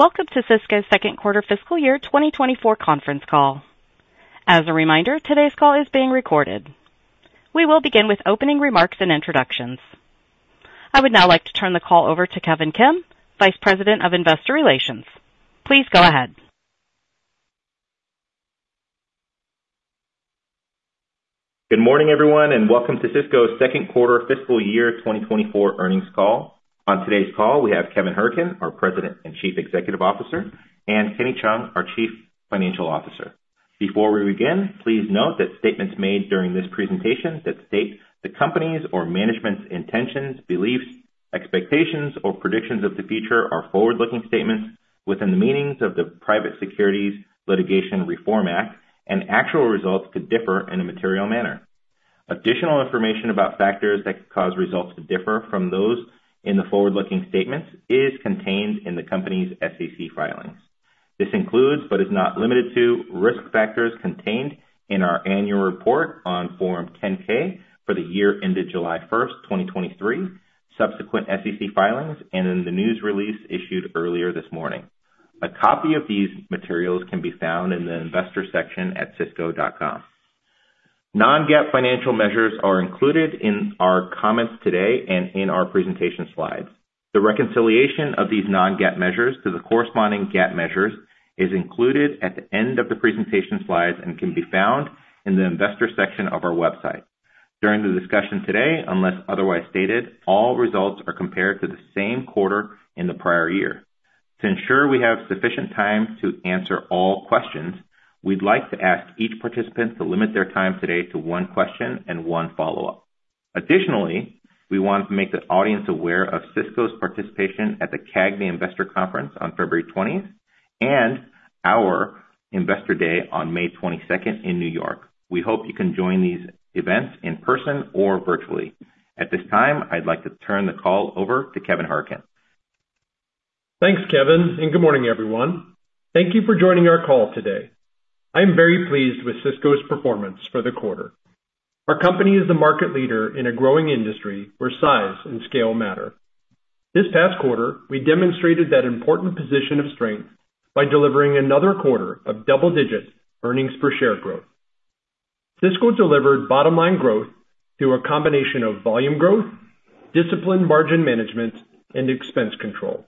Welcome to Sysco's Second Quarter Fiscal Year 2024 Conference Call. As a reminder, today's call is being recorded. We will begin with opening remarks and introductions. I would now like to turn the call over to Kevin Kim, Vice President of Investor Relations. Please go ahead. Good morning, everyone, and welcome to Sysco's Second Quarter Fiscal Year 2024 Earnings Call. On today's call, we have Kevin Hourican, our President and Chief Executive Officer, and Kenny Cheung, our Chief Financial Officer. Before we begin, please note that statements made during this presentation that state the company's or management's intentions, beliefs, expectations, or predictions of the future are forward-looking statements within the meanings of the Private Securities Litigation Reform Act, and actual results could differ in a material manner. Additional information about factors that could cause results to differ from those in the forward-looking statements is contained in the company's SEC filings. This includes, but is not limited to, risk factors contained in our annual report on Form 10-K for the year ended July 1, 2023, subsequent SEC filings, and in the news release issued earlier this morning. A copy of these materials can be found in the investor section at sysco.com. Non-GAAP financial measures are included in our comments today and in our presentation slides. The reconciliation of these non-GAAP measures to the corresponding GAAP measures is included at the end of the presentation slides and can be found in the investor section of our website. During the discussion today, unless otherwise stated, all results are compared to the same quarter in the prior year. To ensure we have sufficient time to answer all questions, we'd like to ask each participant to limit their time today to one question and one follow-up. Additionally, we want to make the audience aware of Sysco's participation at the CAGNY Investor Conference on February 20th and our Investor Day on May 22nd in New York. We hope you can join these events in person or virtually. At this time, I'd like to turn the call over to Kevin Hourican. Thanks, Kevin, and good morning, everyone. Thank you for joining our call today. I am very pleased with Sysco's performance for the quarter. Our company is the market leader in a growing industry where size and scale matter. This past quarter, we demonstrated the important position of strength by delivering another quarter of double-digit earnings per share growth. Sysco delivered bottom-line growth through a combination of volume growth, disciplined margin management, and expense control.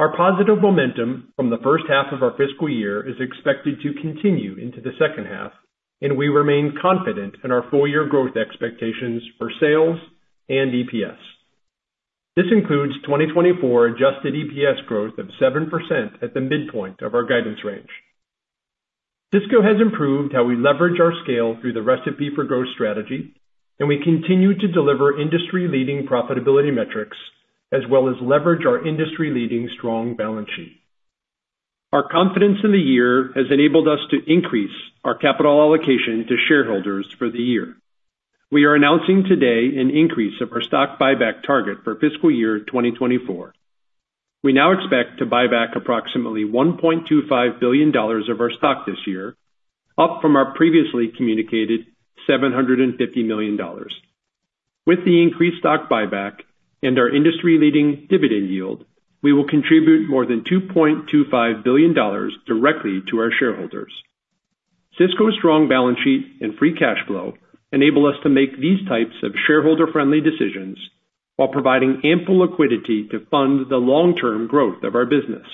Our positive momentum from the first half of our fiscal year is expected to continue into the second half, and we remain confident in our full-year growth expectations for sales and EPS. This includes 2024 adjusted EPS growth of 7% at the midpoint of our guidance range. Sysco has improved how we leverage our scale through the Recipe for Growth strategy, and we continue to deliver industry-leading profitability metrics, as well as leverage our industry-leading strong balance sheet. Our confidence in the year has enabled us to increase our capital allocation to shareholders for the year. We are announcing today an increase of our stock buyback target for fiscal year 2024. We now expect to buy back approximately $1.25 billion of our stock this year, up from our previously communicated $750 million. With the increased stock buyback and our industry-leading dividend yield, we will contribute more than $2.25 billion directly to our shareholders. Sysco's strong balance sheet and free cash flow enable us to make these types of shareholder-friendly decisions while providing ample liquidity to fund the long-term growth of our business.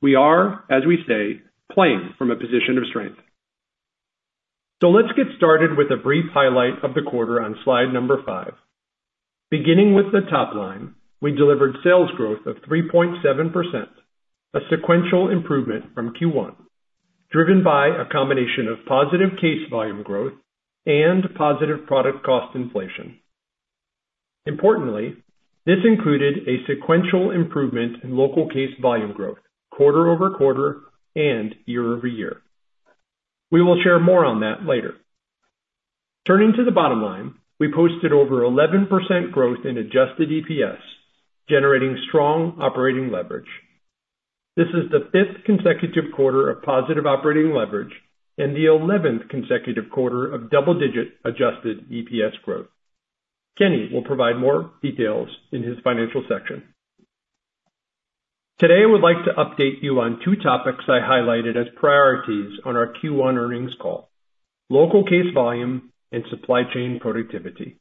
We are, as we say, playing from a position of strength. Let's get started with a brief highlight of the quarter on slide number five. Beginning with the top line, we delivered sales growth of 3.7%, a sequential improvement from Q1, driven by a combination of positive case volume growth and positive product cost inflation. Importantly, this included a sequential improvement in local case volume growth quarter-over-quarter and year-over-year. We will share more on that later. Turning to the bottom line, we posted over 11% growth in adjusted EPS, generating strong operating leverage. This is the fifth consecutive quarter of positive operating leverage and the eleventh consecutive quarter of double-digit adjusted EPS growth. Kenny will provide more details in his financial section. Today, I would like to update you on two topics I highlighted as priorities on our Q1 earnings call: local case volume and supply chain productivity.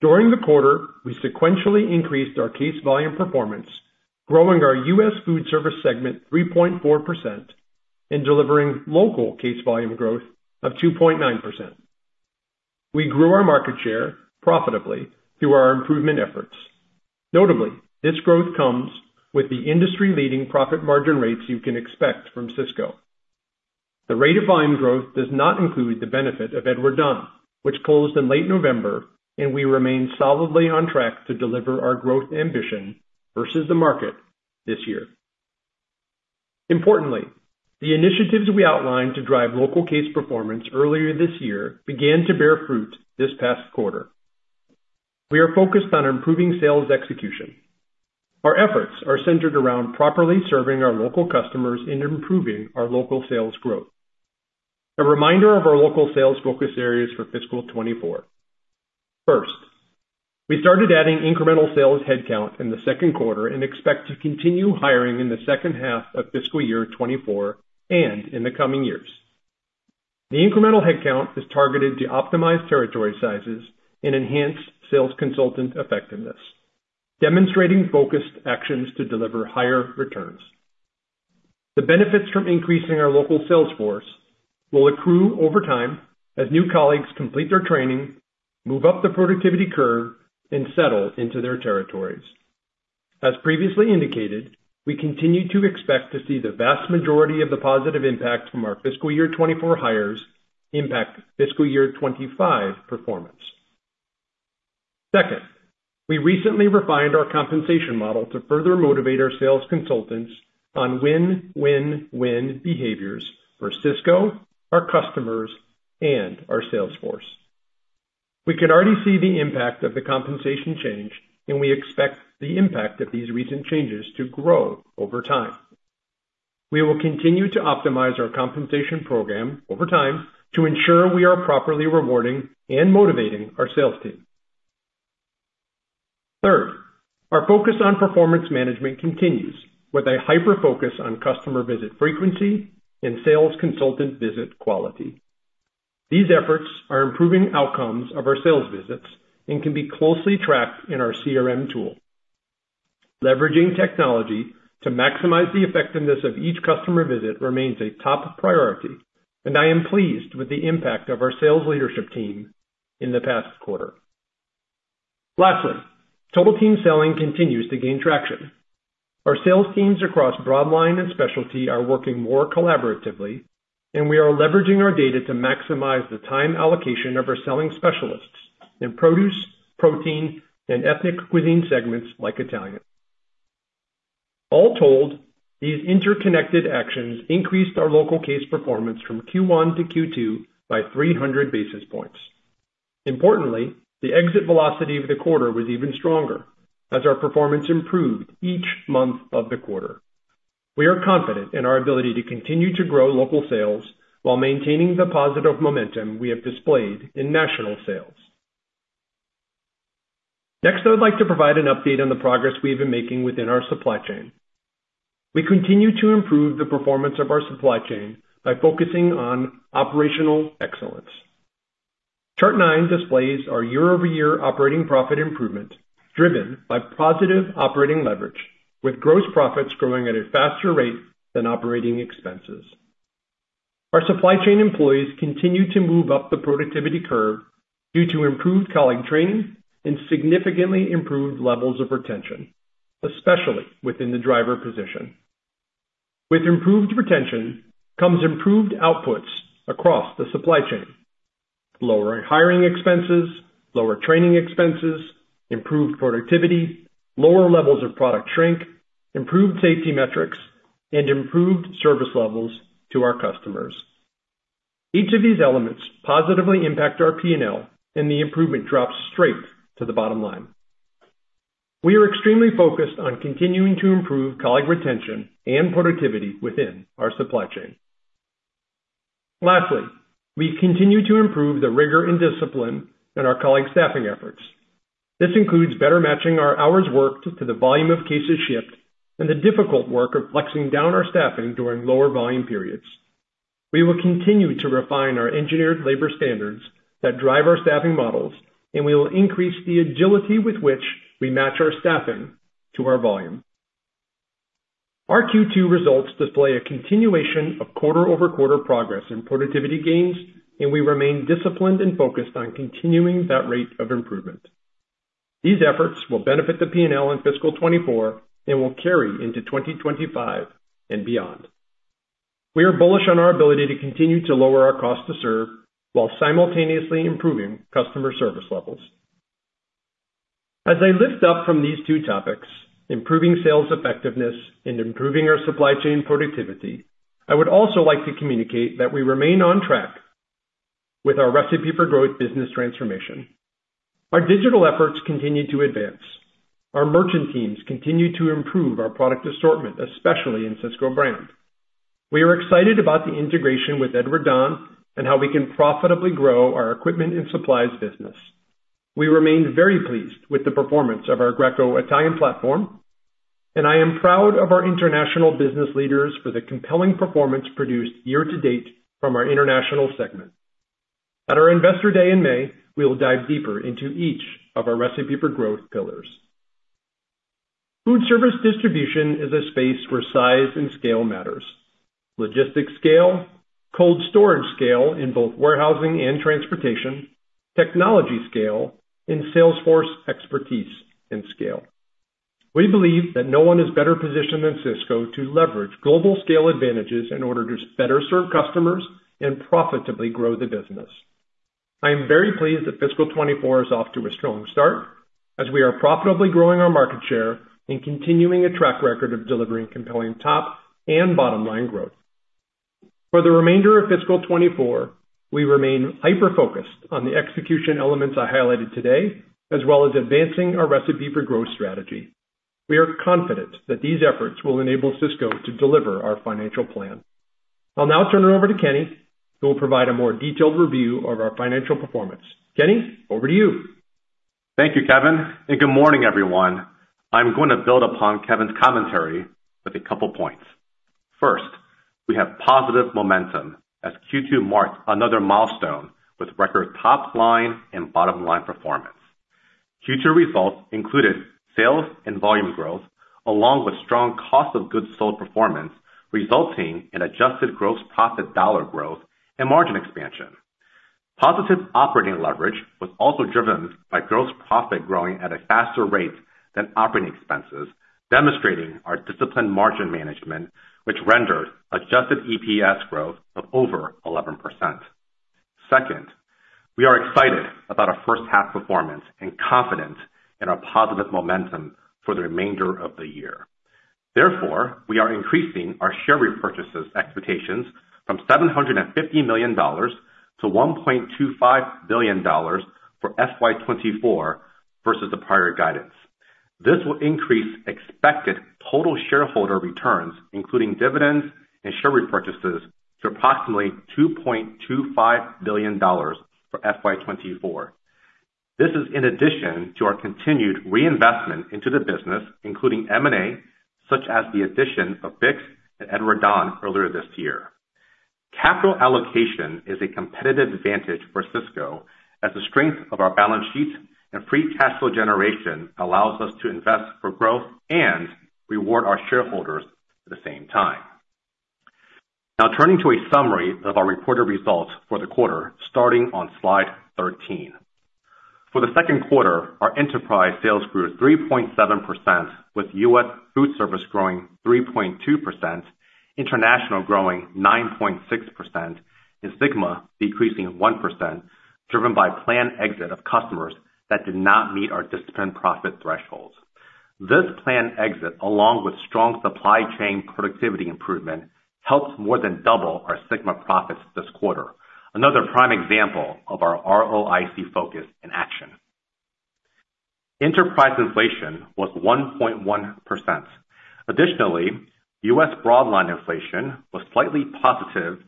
During the quarter, we sequentially increased our case volume performance, growing our U.S. foodservice segment 3.4% and delivering local case volume growth of 2.9%. We grew our market share profitably through our improvement efforts. Notably, this growth comes with the industry-leading profit margin rates you can expect from Sysco. The rate of volume growth does not include the benefit of Edward Don, which closed in late November, and we remain solidly on track to deliver our growth ambition versus the market this year. Importantly, the initiatives we outlined to drive local case performance earlier this year began to bear fruit this past quarter. We are focused on improving sales execution. Our efforts are centered around properly serving our local customers and improving our local sales growth. A reminder of our local sales focus areas for fiscal 2024. First, we started adding incremental sales headcount in the second quarter and expect to continue hiring in the second half of fiscal year 2024 and in the coming years. The incremental headcount is targeted to optimize territory sizes and enhance sales consultant effectiveness, demonstrating focused actions to deliver higher returns. The benefits from increasing our local sales force will accrue over time as new colleagues complete their training, move up the productivity curve, and settle into their territories. As previously indicated, we continue to expect to see the vast majority of the positive impact from our fiscal year 2024 hires impact fiscal year 2025 performance. Second, we recently refined our compensation model to further motivate our sales consultants on win-win-win behaviors for Sysco, our customers, and our sales force. We can already see the impact of the compensation change, and we expect the impact of these recent changes to grow over time. We will continue to optimize our compensation program over time to ensure we are properly rewarding and motivating our sales team. Third, our focus on performance management continues, with a hyper-focus on customer visit frequency and sales consultant visit quality. These efforts are improving outcomes of our sales visits and can be closely tracked in our CRM tool. Leveraging technology to maximize the effectiveness of each customer visit remains a top priority, and I am pleased with the impact of our sales leadership team in the past quarter. Lastly, Total Team Selling continues to gain traction. Our sales teams across Broadline and specialty are working more collaboratively, and we are leveraging our data to maximize the time allocation of our selling specialists in produce, protein, and ethnic cuisine segments like Italian. All told, these interconnected actions increased our local case performance from Q1 to Q2 by 300 basis points. Importantly, the exit velocity of the quarter was even stronger as our performance improved each month of the quarter. We are confident in our ability to continue to grow local sales while maintaining the positive momentum we have displayed in national sales. Next, I would like to provide an update on the progress we've been making within our supply chain. We continue to improve the performance of our supply chain by focusing on operational excellence. Chart 9 displays our year-over-year operating profit improvement, driven by positive operating leverage, with gross profits growing at a faster rate than operating expenses. Our supply chain employees continue to move up the productivity curve due to improved colleague training and significantly improved levels of retention, especially within the driver position. With improved retention comes improved outputs across the supply chain, lower hiring expenses, lower training expenses, improved productivity, lower levels of product shrink, improved safety metrics, and improved service levels to our customers. Each of these elements positively impact our P&L, and the improvement drops straight to the bottom line. We are extremely focused on continuing to improve colleague retention and productivity within our supply chain. Lastly, we continue to improve the rigor and discipline in our colleague staffing efforts. This includes better matching our hours worked to the volume of cases shipped and the difficult work of flexing down our staffing during lower volume periods. We will continue to refine our engineered labor standards that drive our staffing models, and we will increase the agility with which we match our staffing to our volume. Our Q2 results display a continuation of quarter-over-quarter progress in productivity gains, and we remain disciplined and focused on continuing that rate of improvement. These efforts will benefit the P&L in fiscal 2024 and will carry into 2025 and beyond. We are bullish on our ability to continue to lower our cost to serve while simultaneously improving customer service levels. As I lift up from these two topics, improving sales effectiveness and improving our supply chain productivity, I would also like to communicate that we remain on track with our Recipe for Growth business transformation. Our digital efforts continue to advance. Our merchant teams continue to improve our product assortment, especially in Sysco Brand. We are excited about the integration with Edward Don and how we can profitably grow our equipment and supplies business. We remain very pleased with the performance of our Greco Italian platform, and I am proud of our international business leaders for the compelling performance produced year to date from our international segment. At our Investor Day in May, we will dive deeper into each of our Recipe for Growth pillars. Food service distribution is a space where size and scale matters. Logistics scale, cold storage scale in both warehousing and transportation, technology scale, and salesforce expertise and scale. We believe that no one is better positioned than Sysco to leverage global scale advantages in order to better serve customers and profitably grow the business. I am very pleased that fiscal 2024 is off to a strong start, as we are profitably growing our market share and continuing a track record of delivering compelling top and bottom line growth. For the remainder of fiscal 2024, we remain hyper-focused on the execution elements I highlighted today, as well as advancing our Recipe for Growth strategy. We are confident that these efforts will enable Sysco to deliver our financial plan. I'll now turn it over to Kenny, who will provide a more detailed review of our financial performance. Kenny, over to you. Thank you, Kevin, and good morning, everyone. I'm going to build upon Kevin's commentary with a couple points. First, we have positive momentum as Q2 marks another milestone with record top-line and bottom-line performance. Q2 results included sales and volume growth, along with strong cost of goods sold performance, resulting in adjusted gross profit dollar growth and margin expansion. Positive operating leverage was also driven by gross profit growing at a faster rate than operating expenses, demonstrating our disciplined margin management, which rendered adjusted EPS growth of over 11%. Second, we are excited about our first half performance and confident in our positive momentum for the remainder of the year. Therefore, we are increasing our share repurchases expectations from $750 million to $1.25 billion for FY 2024 versus the prior guidance. This will increase expected total shareholder returns, including dividends and share repurchases, to approximately $2.25 billion for FY 2024. This is in addition to our continued reinvestment into the business, including M&A, such as the addition of BIX and Edward Don earlier this year. Capital allocation is a competitive advantage for Sysco, as the strength of our balance sheet and free cash flow generation allows us to invest for growth and reward our shareholders at the same time. Now, turning to a summary of our reported results for the quarter, starting on slide 13. For the second quarter, our enterprise sales grew 3.7%, with U.S. food service growing 3.2%, international growing 9.6%, and SYGMA decreasing 1%, driven by planned exit of customers that did not meet our disciplined profit thresholds. This planned exit, along with strong supply chain productivity improvement, helped more than double our SYGMA profits this quarter. Another prime example of our ROIC focus in action. Enterprise inflation was 1.1%. Additionally, US broadline inflation was slightly positive,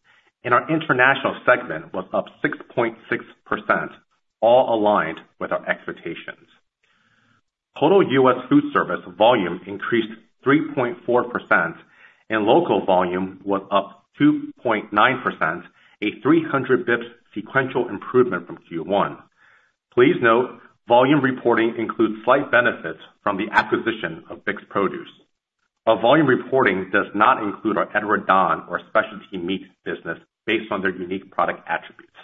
and our international segment was up 6.6%, all aligned with our expectations. Total US food service volume increased 3.4%, and local volume was up 2.9%, a 300 basis points sequential improvement from Q1. Please note, volume reporting includes slight benefits from the acquisition of BIX Produce, while volume reporting does not include our Edward Don or specialty meats business based on their unique product attributes.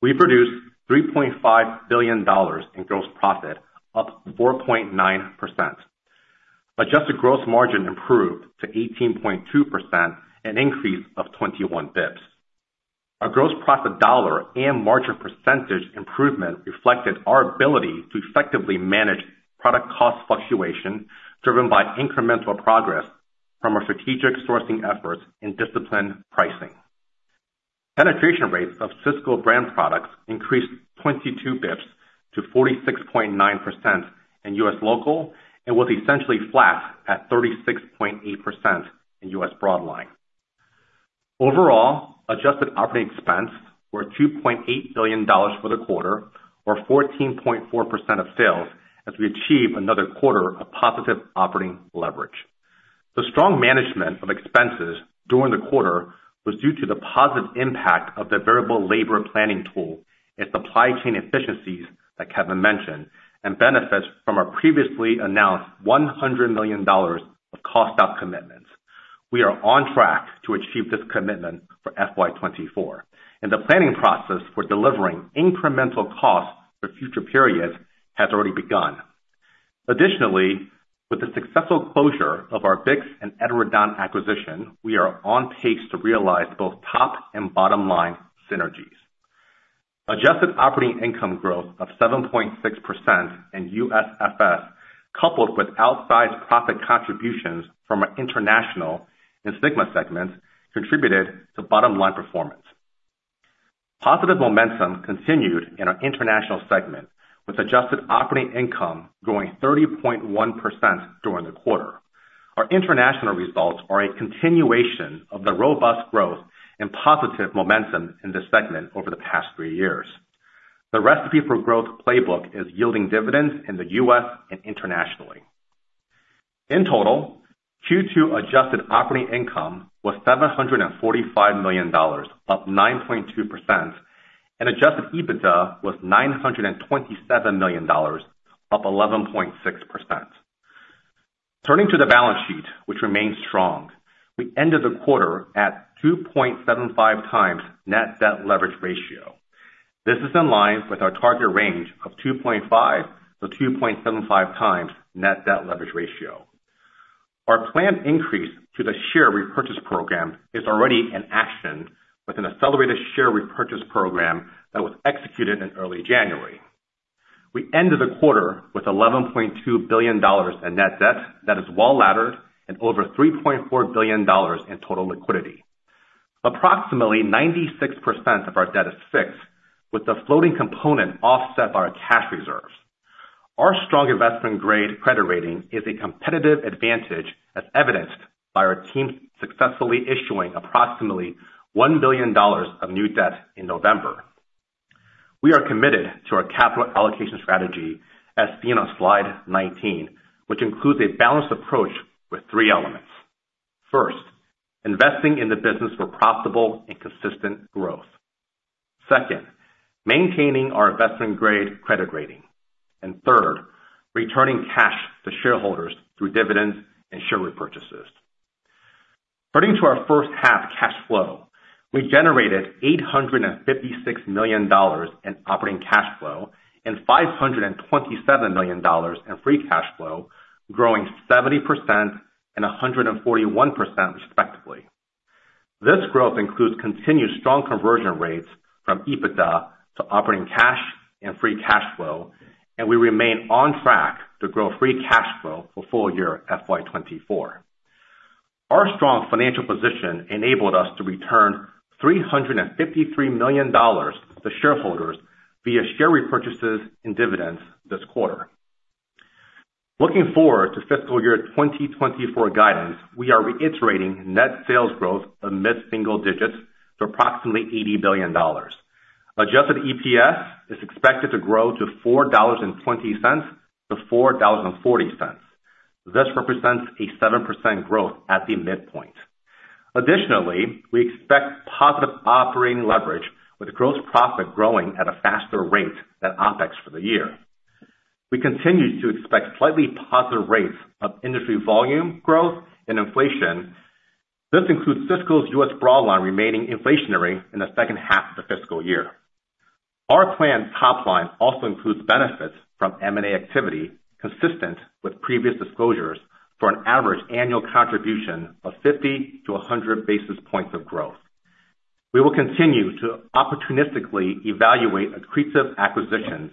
We produced $3.5 billion in gross profit, up 4.9%. Adjusted gross margin improved to 18.2%, an increase of 21 basis points. Our gross profit dollar and margin percentage improvement reflected our ability to effectively manage product cost fluctuation, driven by incremental progress from our strategic sourcing efforts and disciplined pricing. Penetration rates of Sysco Brand products increased 22 basis points to 46.9% in U.S. local and was essentially flat at 36.8% in U.S. Broadline. Overall, adjusted operating expenses were $2.8 billion for the quarter, or 14.4% of sales, as we achieved another quarter of positive operating leverage. The strong management of expenses during the quarter was due to the positive impact of the variable labor planning tool and supply chain efficiencies that Kevin mentioned, and benefits from our previously announced $100 million of cost out commitments. We are on track to achieve this commitment for FY 2024, and the planning process for delivering incremental costs for future periods has already begun. Additionally, with the successful closure of our BIX and Edward Don acquisition, we are on pace to realize both top and bottom-line synergies. Adjusted operating income growth of 7.6% in USFS, coupled with outsized profit contributions from our international and SYGMA segments, contributed to bottom-line performance. Positive momentum continued in our international segment, with adjusted operating income growing 30.1% during the quarter. Our international results are a continuation of the robust growth and positive momentum in this segment over the past three years. The Recipe for Growth playbook is yielding dividends in the U.S. and internationally. In total, Q2 adjusted operating income was $745 million, up 9.2%, and adjusted EBITDA was $927 million, up 11.6%. Turning to the balance sheet, which remains strong, we ended the quarter at 2.75x net debt leverage ratio. This is in line with our target range of 2.5x-2.75x net debt leverage ratio. Our planned increase to the share repurchase program is already in action with an accelerated share repurchase program that was executed in early January. We ended the quarter with $11.2 billion in net debt. That is well laddered and over $3.4 billion in total liquidity. Approximately 96% of our debt is fixed, with the floating component offset by our cash reserves. Our strong investment-grade credit rating is a competitive advantage, as evidenced by our team successfully issuing approximately $1 billion of new debt in November. We are committed to our capital allocation strategy, as seen on slide 19, which includes a balanced approach with three elements. First, investing in the business for profitable and consistent growth. Second, maintaining our investment-grade credit rating. And third, returning cash to shareholders through dividends and share repurchases. Turning to our first half cash flow, we generated $856 million in operating cash flow and $527 million in free cash flow, growing 70% and 141%, respectively. This growth includes continued strong conversion rates from EBITDA to operating cash and free cash flow, and we remain on track to grow free cash flow for full year FY 2024. Our strong financial position enabled us to return $353 million to shareholders via share repurchases and dividends this quarter. Looking forward to fiscal year 2024 guidance, we are reiterating net sales growth of mid-single digits to approximately $80 billion. Adjusted EPS is expected to grow to $4.20-$4.40. This represents a 7% growth at the midpoint. Additionally, we expect positive operating leverage, with gross profit growing at a faster rate than OpEx for the year. We continue to expect slightly positive rates of industry volume growth and inflation. This includes Sysco's U.S. broadline remaining inflationary in the second half of the fiscal year. Our planned top line also includes benefits from M&A activity, consistent with previous disclosures, for an average annual contribution of 50-100 basis points of growth. We will continue to opportunistically evaluate accretive acquisitions,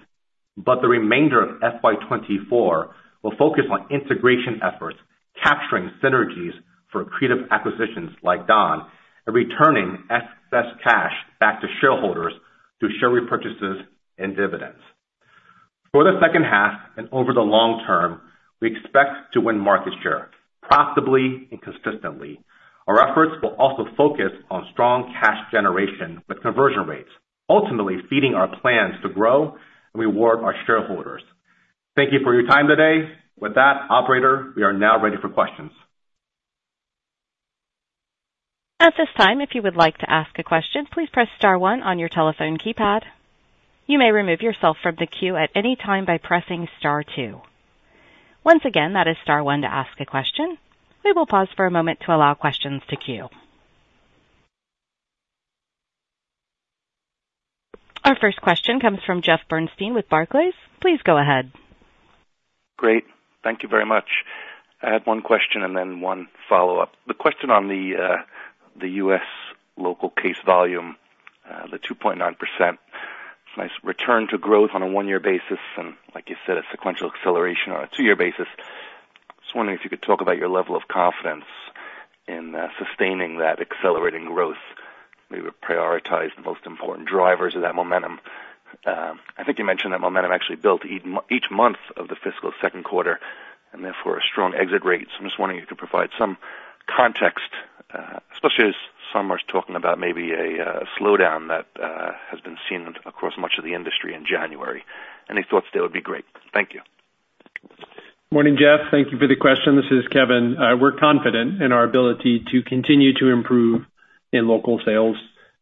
but the remainder of FY 2024 will focus on integration efforts, capturing synergies for accretive acquisitions like Don, and returning excess cash back to shareholders through share repurchases and dividends. For the second half and over the long term, we expect to win market share profitably and consistently. Our efforts will also focus on strong cash generation with conversion rates, ultimately feeding our plans to grow and reward our shareholders. Thank you for your time today. With that, operator, we are now ready for questions. At this time, if you would like to ask a question, please press star one on your telephone keypad. You may remove yourself from the queue at any time by pressing star two. Once again, that is star one to ask a question. We will pause for a moment to allow questions to queue. Our first question comes from Jeff Bernstein with Barclays. Please go ahead. Great. Thank you very much. I have one question and then one follow-up. The question on the, the U.S. local case volume, the 2.9%. Nice return to growth on a one-year basis, and like you said, a sequential acceleration on a two-year basis. Just wondering if you could talk about your level of confidence in, sustaining that accelerating growth, maybe prioritize the most important drivers of that momentum. I think you mentioned that momentum actually built each month of the fiscal second quarter and therefore strong exit rates. I'm just wondering if you could provide some context, especially as some are talking about maybe a, slowdown that, has been seen across much of the industry in January. Any thoughts there would be great. Thank you. Morning, Jeff. Thank you for the question. This is Kevin. We're confident in our ability to continue to improve in local sales.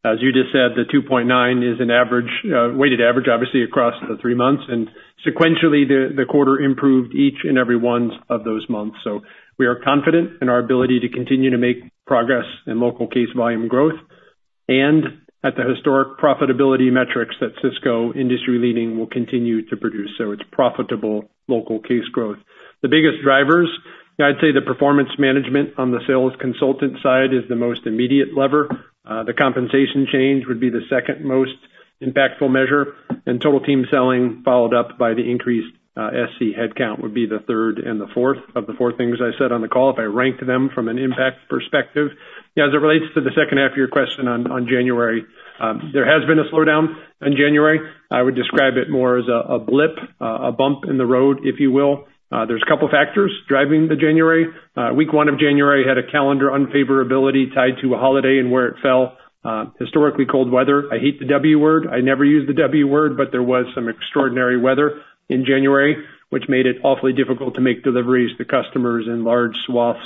As you just said, the 2.9 is an average, weighted average, obviously, across the three months, and sequentially, the quarter improved each and every one of those months. So we are confident in our ability to continue to make progress in local case volume growth and at the historic profitability metrics that Sysco, industry leading, will continue to produce. So it's profitable local case growth. The biggest drivers, I'd say the performance management on the sales consultant side is the most immediate lever. The compensation change would be the second most impactful measure, and Total Team Selling, followed up by the increased SC headcount, would be the third and the fourth of the four things I said on the call, if I ranked them from an impact perspective. As it relates to the second half of your question on January, there has been a slowdown in January. I would describe it more as a blip, a bump in the road, if you will. There's a couple factors driving the January. Week one of January had a calendar unfavorability tied to a holiday and where it fell. Historically cold weather. I hate the W word. I never use the W word, but there was some extraordinary weather in January, which made it awfully difficult to make deliveries to customers in large swaths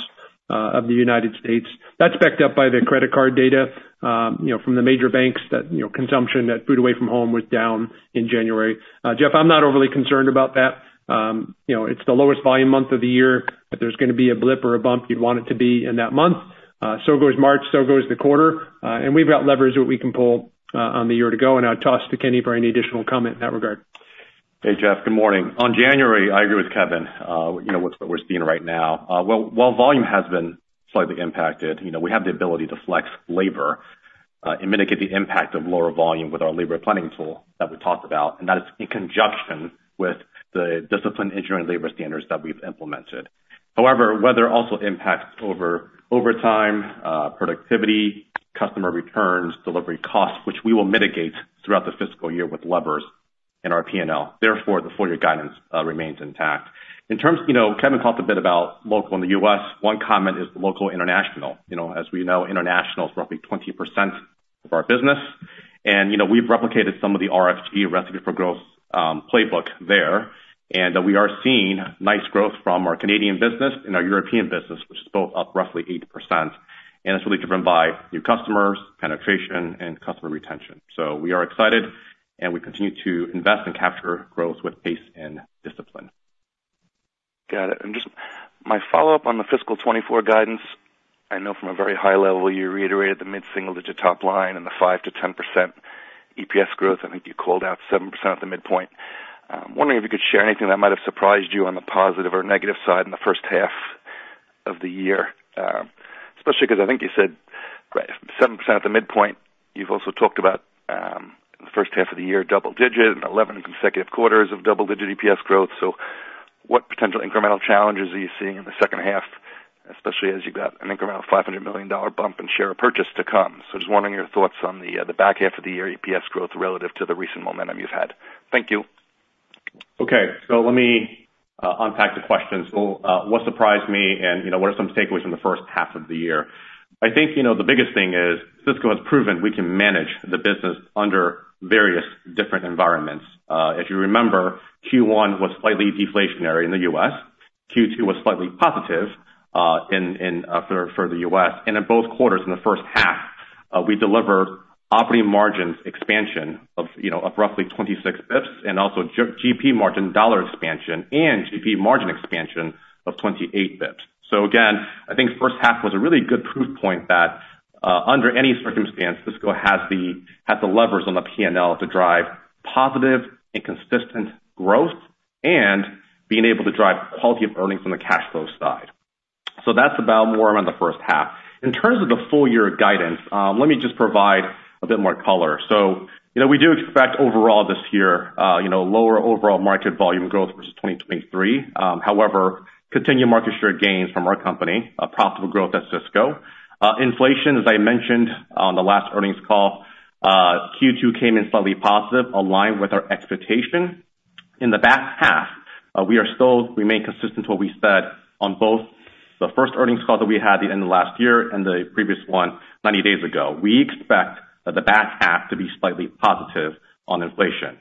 of the United States. That's backed up by the credit card data, you know, from the major banks that, you know, consumption at food away from home was down in January. Jeff, I'm not overly concerned about that. You know, it's the lowest volume month of the year. If there's gonna be a blip or a bump, you'd want it to be in that month. So goes March, so goes the quarter. And we've got levers that we can pull on the year to go, and I'll toss to Kenny for any additional comment in that regard. Hey, Jeff, good morning. On January, I agree with Kevin, you know, what we're seeing right now. While volume has been slightly impacted, you know, we have the ability to flex labor and mitigate the impact of lower volume with our labor planning tool that we talked about, and that is in conjunction with the disciplined engineering labor standards that we've implemented. However, weather also impacts over overtime, productivity, customer returns, delivery costs, which we will mitigate throughout the fiscal year with levers in our P&L. Therefore, the full year guidance remains intact. In terms, you know, Kevin talked a bit about local in the US. One comment is local international. You know, as we know, international is roughly 20% of our business, and, you know, we've replicated some of the RFG, Recipe for Growth, playbook there, and we are seeing nice growth from our Canadian business and our European business, which is both up roughly 8%, and it's really driven by new customers, penetration, and customer retention. We are excited, and we continue to invest and capture growth with pace and discipline. Got it. And just my follow-up on the fiscal 2024 guidance, I know from a very high level, you reiterated the mid-single-digit top line and the 5%-10% EPS growth. I think you called out 7% at the midpoint. Wondering if you could share anything that might have surprised you on the positive or negative side in the first half of the year, especially because I think you said 7% at the midpoint. You've also talked about, the first half of the year, double digits, 11 consecutive quarters of double-digit EPS growth. So what potential incremental challenges are you seeing in the second half, especially as you've got an incremental $500 million dollar bump in share purchase to come? Just wondering your thoughts on the back half of the year EPS growth relative to the recent momentum you've had. Thank you. Okay. So let me unpack the questions. Well, what surprised me, and, you know, what are some takeaways from the first half of the year? I think, you know, the biggest thing is Sysco has proven we can manage the business under various different environments. If you remember, Q1 was slightly deflationary in the U.S., Q2 was slightly positive in the U.S., and in both quarters in the first half, we delivered operating margins expansion of, you know, of roughly 26 basis points, and also GP margin dollar expansion and GP margin expansion of 28 basis points. So again, I think first half was a really good proof point that, under any circumstance, Sysco has the levers on the P&L to drive positive and consistent growth and being able to drive quality of earnings from the cash flow side. So that's about more around the first half. In terms of the full-year guidance, let me just provide a bit more color. We do expect overall this year, you know, lower overall market volume growth versus 2023. However, continued market share gains from our company, and profitable growth at Sysco. Inflation, as I mentioned on the last earnings call, Q2 came in slightly positive, aligned with our expectations. In the back half, we remain consistent to what we said on both the first earnings call that we had at the end of last year and the previous one 90 days ago. We expect the back half to be slightly positive on inflation.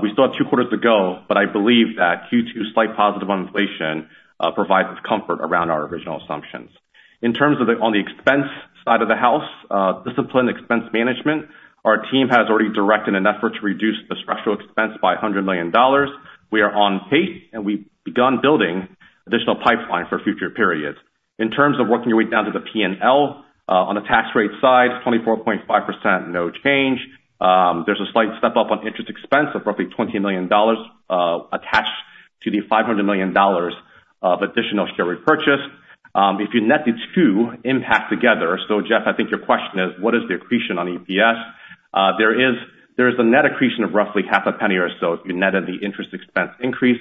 We still have two quarters to go, but I believe that Q2's slight positive on inflation provides us comfort around our original assumptions. In terms of the, on the expense side of the house, disciplined expense management, our team has already directed an effort to reduce the structural expense by $100 million. We are on pace, and we've begun building an additional pipeline for future periods. In terms of working your way down to the P&L, on the tax rate side, 24.5%, no change. There's a slight step up on interest expense of roughly $20 million, attached to the $500 million of additional share repurchases. If you net these two impact together, so Jeff, I think your question is, what is the accretion on EPS? There is, there is a net accretion of roughly $0.005 or so if you net the interest expense increase,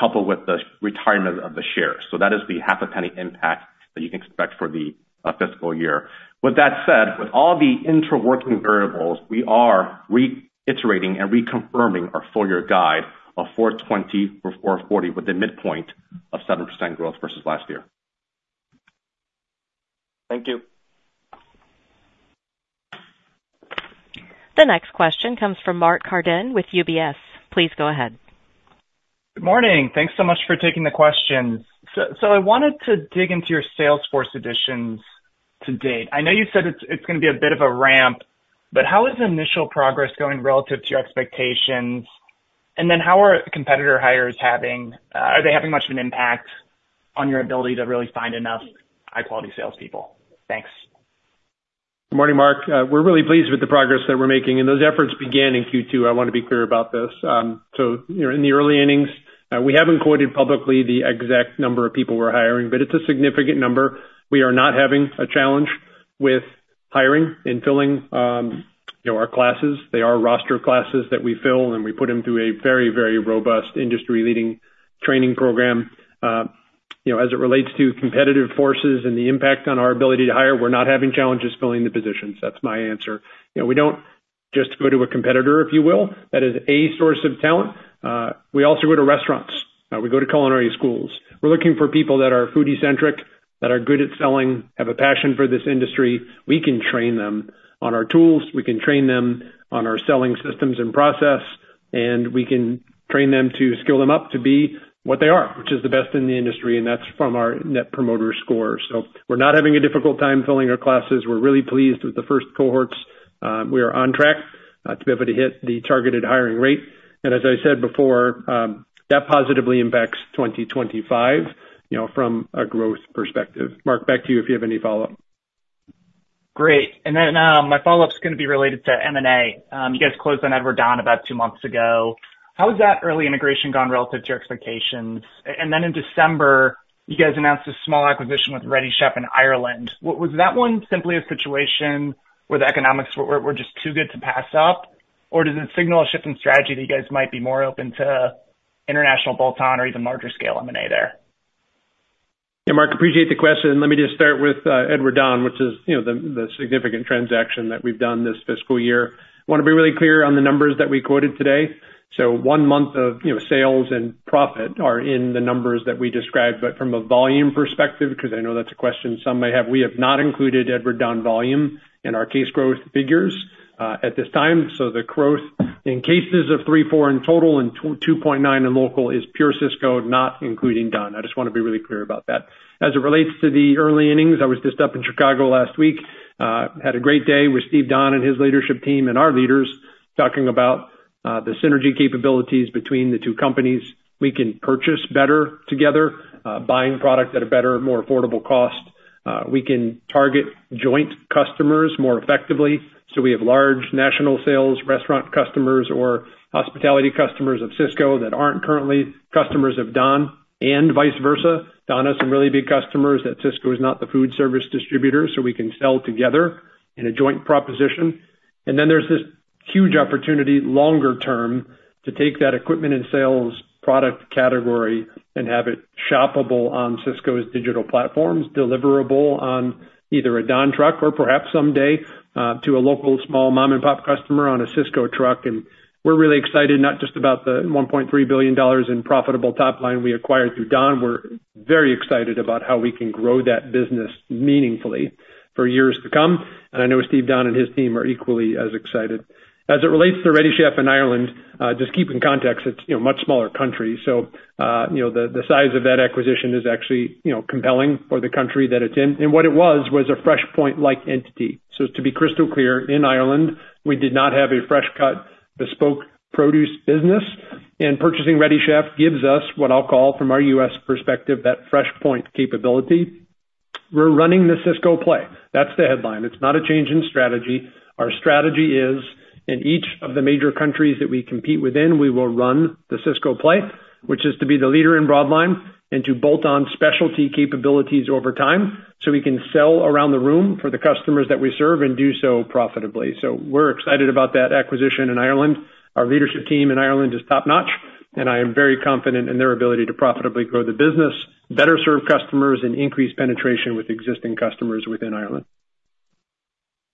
coupled with the retirement of the shares. That is the $0.005 impact that you can expect for the fiscal year. With that said, with all the intraworking variables, we are reiterating and reconfirming our full year guide of $4.20-$4.40 with a midpoint of 7% growth versus last year. Thank you. The next question comes from Mark Carden with UBS. Please go ahead. Good morning. Thanks so much for taking the questions. I wanted to dig into your salesforce additions to date. I know you said it's gonna be a bit of a ramp, but how is the initial progress going relative to your expectations? And then how are the competitor hires are they having much of an impact on your ability to really find enough high-quality salespeople? Thanks. Good morning, Mark. We're really pleased with the progress that we're making, and those efforts began in Q2. I want to be clear about this. So, you know, in the early innings, we haven't quoted publicly the exact number of people we're hiring, but it's a significant number. We are not having a challenge with hiring and filling, you know, our classes. They are roster classes that we fill, and we put them through a very, very robust industry-leading training program. As it relates to competitive forces and the impact on our ability to hire, we're not having challenges filling the positions. That's my answer. You know, we don't just go to a competitor, if you will. That is a source of talent. We also go to restaurants. We go to culinary schools. We're looking for people that are foodie-centric, who are good at selling, have a passion for this industry. We can train them on our tools, we can train them on our selling systems and processes, and we can train them to skill them up to be what they are, which is the best in the industry, and that's from our Net Promoter Score. So we're not having a difficult time filling our classes. We're really pleased with the first cohorts. We are on track to be able to hit the targeted hiring rate. And as I said before, that positively impacts 2025 from a growth perspective. Mark, back to you if you have any follow-up. Great. Then, my follow-up is gonna be related to M&A. You guys closed on Edward Don about two months ago. How has that early integration gone relative to your expectations? Then in December, you guys announced a small acquisition with Ready Chef in Ireland. Was that one simply a situation where the economics were just too good to pass up? Or does it signal a shift in strategy that you guys might be more open to international bolt-on or even larger-scale M&A there? Mark, appreciate the question. Let me just start with Edward Don, which is, you know, the significant transaction that we've done this fiscal year. Want to be really clear on the numbers that we quoted today. So one month of, you know, sales and profit are in the numbers that we described, but from a volume perspective, because I know that's a question some may have, we have not included Edward Don volume in our case growth figures at this time. So the growth in cases of 3-4 in total and 2.9 in local is pure Sysco, not including Don. I just wanna be really clear about that. As it relates to the early innings, I was just up in Chicago last week, had a great day with Steve Don and his leadership team and our leaders, talking about the synergy capabilities between the two companies. We can purchase better together, buying product at a better and more affordable cost. We can target joint customers more effectively, so we have large national sales restaurant customers or hospitality customers of Sysco that aren't currently customers of Don and vice versa. Don has some really big customers that Sysco is not the food service distributor, so we can sell together in a joint proposition. Then there's this huge opportunity, longer term, to take that equipment and sales product category and have it shoppable on Sysco's digital platforms, deliverable on either a Don truck or perhaps someday to a local small mom-and-pop customer on a Sysco truck. We're really excited, not just about the $1.3 billion in profitable top line we acquired through Don. We're very excited about how we can grow that business meaningfully for years to come, and I know Steve Don and his team are equally as excited. As it relates to the Ready Chef in Ireland, just keep in context, it's, you know, a much smaller country. So, you know, the size of that acquisition is actually, you know, compelling for the country that it's in. And what it was, was a FreshPoint-like entity. So to be crystal clear, in Ireland, we did not have a fresh-cut, bespoke produce business, and purchasing Ready Chef gives us what I'll call, from our U.S. perspective, that FreshPoint capability. We're running the Sysco play. That's the headline. It's not a change in strategy. Our strategy is, in each of the major countries that we compete within, we will run the Sysco play, which is to be the leader in Broadline and to bolt on specialty capabilities over time, so we can sell around the room for the customers that we serve and do so profitably. So we're excited about that acquisition in Ireland. Our leadership team in Ireland is top-notch, and I am very confident in their ability to profitably grow the business, better serve customers, and increase penetration with existing customers within Ireland.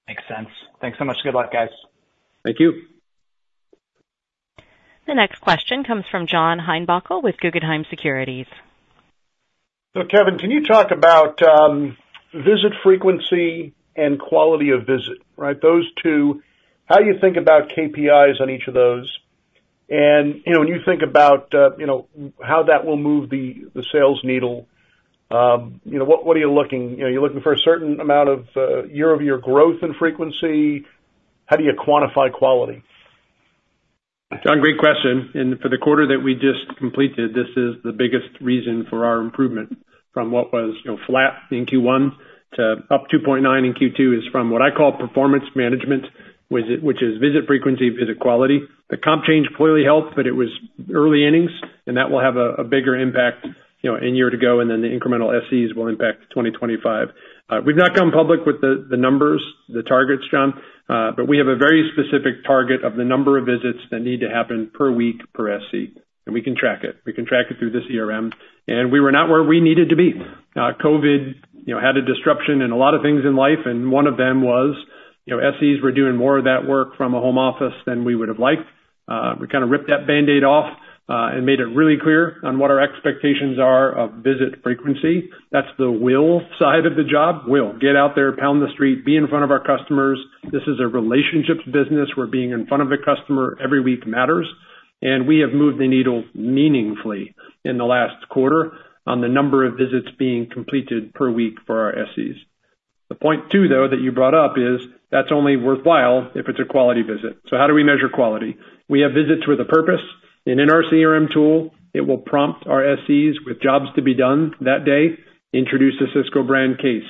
Makes sense. Thanks so much. Good luck, guys. Thank you. The next question comes from John Heinbockel with Guggenheim Securities. Kevin, can you talk about visit frequency and quality of visit, right? How do you think about KPIs on each of those. And when you think about how that will move the sales needle, you know, what are you looking. You know, are you looking for a certain amount of year-over-year growth in frequency? How do you quantify quality? John, great question. For the quarter that we just completed, this is the biggest reason for our improvement from what was, you know, flat in Q1 to up 2.9 in Q2, is from what I call performance management, visit, which is visit frequency, visit quality. The comp change clearly helped, but it was early innings, and that will have a bigger impact in year to go, and then the incremental SC will impact 2025. We've not gone public with the numbers, the targets, John, but we have a very specific target of the number of visits that need to happen per week per SC, and we can track it. We can track it through this CRM, and we were not where we needed to be. COVID, you know, had a disruption in a lot of things in life, and one of them was, you know, SCs were doing more of that work from a home office than we would have liked. We kind of ripped that Band-Aid off, and made it really clear on what our expectations are of visit frequency. That's the will side of the job. We'll get out there, pound the street, be in front of our customers. This is a relationships business. We're being in front of the customer every week matters, and we have moved the needle meaningfully in the last quarter on the number of visits being completed per week for our SCs. The point two, though, that you brought up, is that's only worthwhile if it's a quality visit. So how do we measure quality? We have visits with a purpose, and in our CRM tool, it will prompt our SCs with jobs to be done that day, introduce a Sysco Brand case,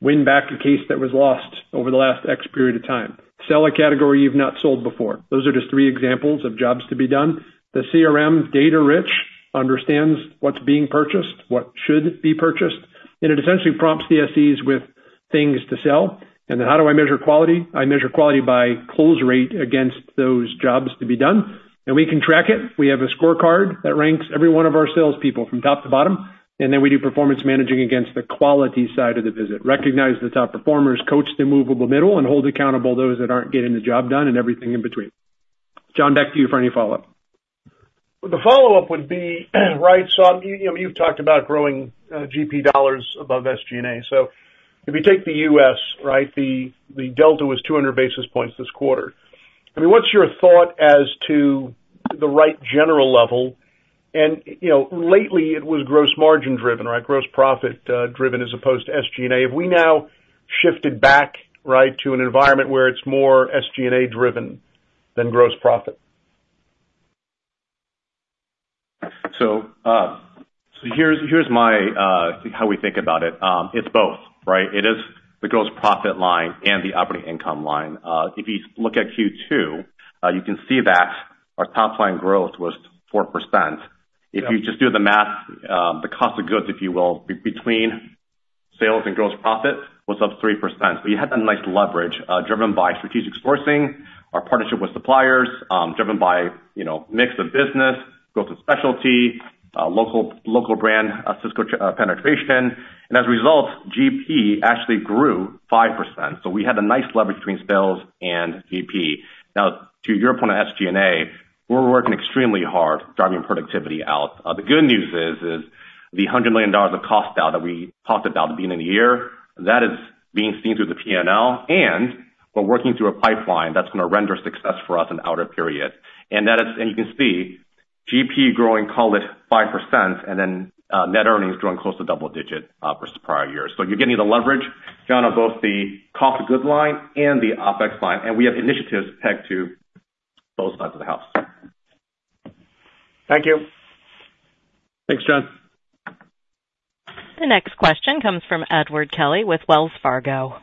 win back a case that was lost over the last X period of time, sell a category you've not sold before. Those are just three examples of jobs to be done. The CRM data rich understands what's being purchased, what should be purchased, and it essentially prompts the SCs with things to sell. And then how do I measure quality? I measure quality by close rate against those jobs to be done, and we can track it. We have a scorecard that ranks every one of our salespeople from top to bottom, and then we do performance managing against the quality side of the visit. Recognize the top performers, coach the movable middle, and hold accountable those that aren't getting the job done and everything in between. John, back to you for any follow-up. The follow-up would be, right? So, you know, you've talked about growing GP dollars above SG&A. So if you take the US, right, the delta was 200 basis points this quarter. I mean, what's your thought as to the right general level? And, you know, lately, it was gross margin driven, right? Gross profit driven, as opposed to SG&A. Have we now shifted back, right, to an environment where it's more SG&A driven than gross profit? So, here's my how we think about it. It's both, right? It is the gross profit line and the operating income line. If you look at Q2, you can see that our top line growth was 4%. If you just do the math, the cost of goods, if you will, between sales and gross profit was up 3%. So you had that nice leverage driven by strategic sourcing, our partnership with suppliers, driven by, you know, mix of business, growth of specialty, local brand, Sysco penetration. And as a result, GP actually grew 5%, so we had a nice leverage between sales and GP. Now, to your point on SG&A, we're working extremely hard driving productivity out. The good news is, is the $100 million of cost out that we talked about at the beginning of the year, that is being seen through the P&L, and we're working through a pipeline that's gonna render success for us in the outer period. And that is, and you can see GP growing, call it 5%, and then, net earnings growing close to double-digit, versus prior years. So you're getting the leverage, John, on both the cost of goods line and the OPEX line, and we have initiatives pegged to both sides of the house. Thank you. Thanks, John. The next question comes from Edward Kelly with Wells Fargo.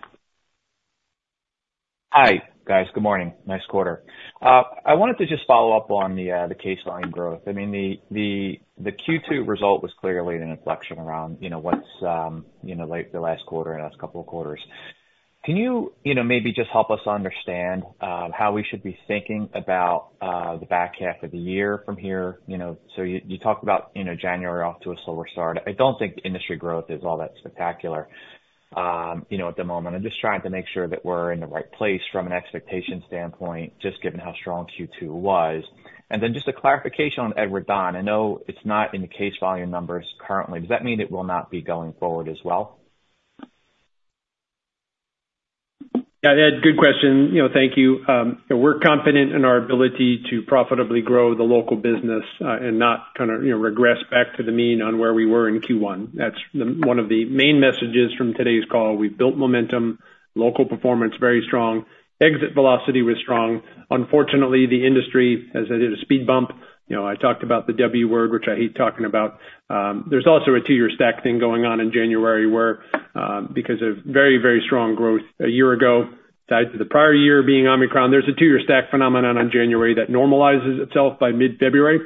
Hi, guys. Good morning. Nice quarter. I wanted to just follow up on the case volume growth. I mean, the Q2 result was clearly an inflection around, you know, what's, you know, like, the last quarter and last couple of quarters. Can you, you know, maybe just help us understand how we should be thinking about the back half of the year from here? You know, so you talked about, you know, January off to a slower start. I don't think the industry growth is all that spectacular, you know, at the moment. I'm just trying to make sure that we're in the right place from an expectation standpoint, just given how strong Q2 was. And then just a clarification on Edward Don. I know it's not in the case volume numbers currently. Does that mean it will not be going forward as well? Yeah, Ed, good question. You know, thank you. We're confident in our ability to profitably grow the local business, and not kind of, you know, regress back to the mean on where we were in Q1. That's the, one of the main messages from today's call. We've built momentum, local performance, very strong. Exit velocity was strong. Unfortunately, the industry has hit a speed bump. You know, I talked about the W word, which I hate talking about. There's also a two-year stack thing going on in January, where, because of very, very strong growth a year ago, tied to the prior year being Omicron, there's a two-year stack phenomenon on January that normalizes itself by mid-February,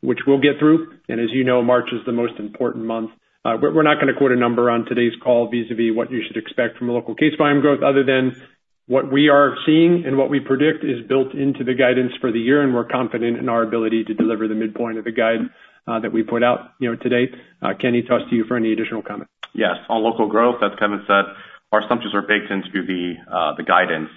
which we'll get through. And as you know, March is the most important month. We're not gonna quote a number on today's call, vis-a-vis what you should expect from a local case volume growth, other than what we are seeing and what we predict is built into the guidance for the year, and we're confident in our ability to deliver the midpoint of the guide that we put out, you know, today. Kenny, toss to you for any additional comment. Yes. On local growth, as Kevin said, our assumptions are baked into the guidance.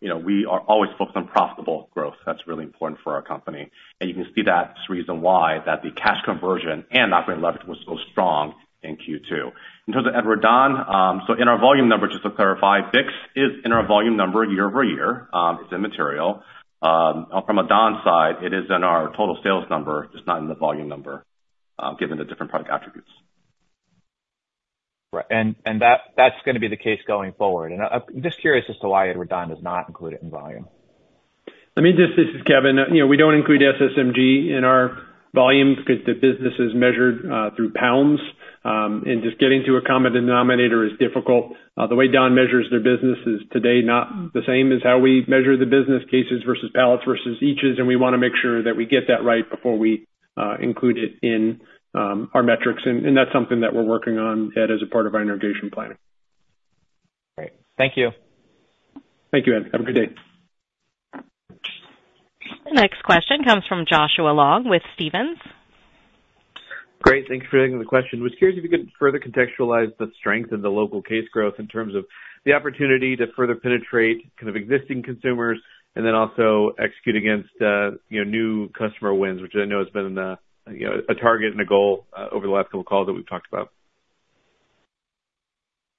You know, we are always focused on profitable growth. That's really important for our company. And you can see that's the reason why that the cash conversion and operating leverage was so strong in Q2. In terms of Edward Don, so in our volume number, just to clarify, Bix is in our volume number year over year, it's immaterial. From a Don side, it is in our total sales number, just not in the volume number, given the different product attributes. Right. And that, that's gonna be the case going forward? And, I'm just curious as to why Edward Don is not included in volume. Let me just. This is Kevin. You know, we don't include SSMG in our volume because the business is measured through pounds, and just getting to a common denominator is difficult. The way Don measures their business is today not the same as how we measure the business, cases versus pallets versus eachs, and we wanna make sure that we get that right before we include it in our metrics. And that's something that we're working on, Ed, as a part of our integration planning. Great. Thank you. Thank you, Ed. Have a good day. The next question comes from Joshua Long with Stephens. Great. Thank you for taking the question. I was curious if you could further contextualize the strength of the local case growth in terms of the opportunity to further penetrate kind of existing consumers, and then also execute against, you know, new customer wins, which I know has been, you know, a target and a goal, over the last couple of calls that we've talked about.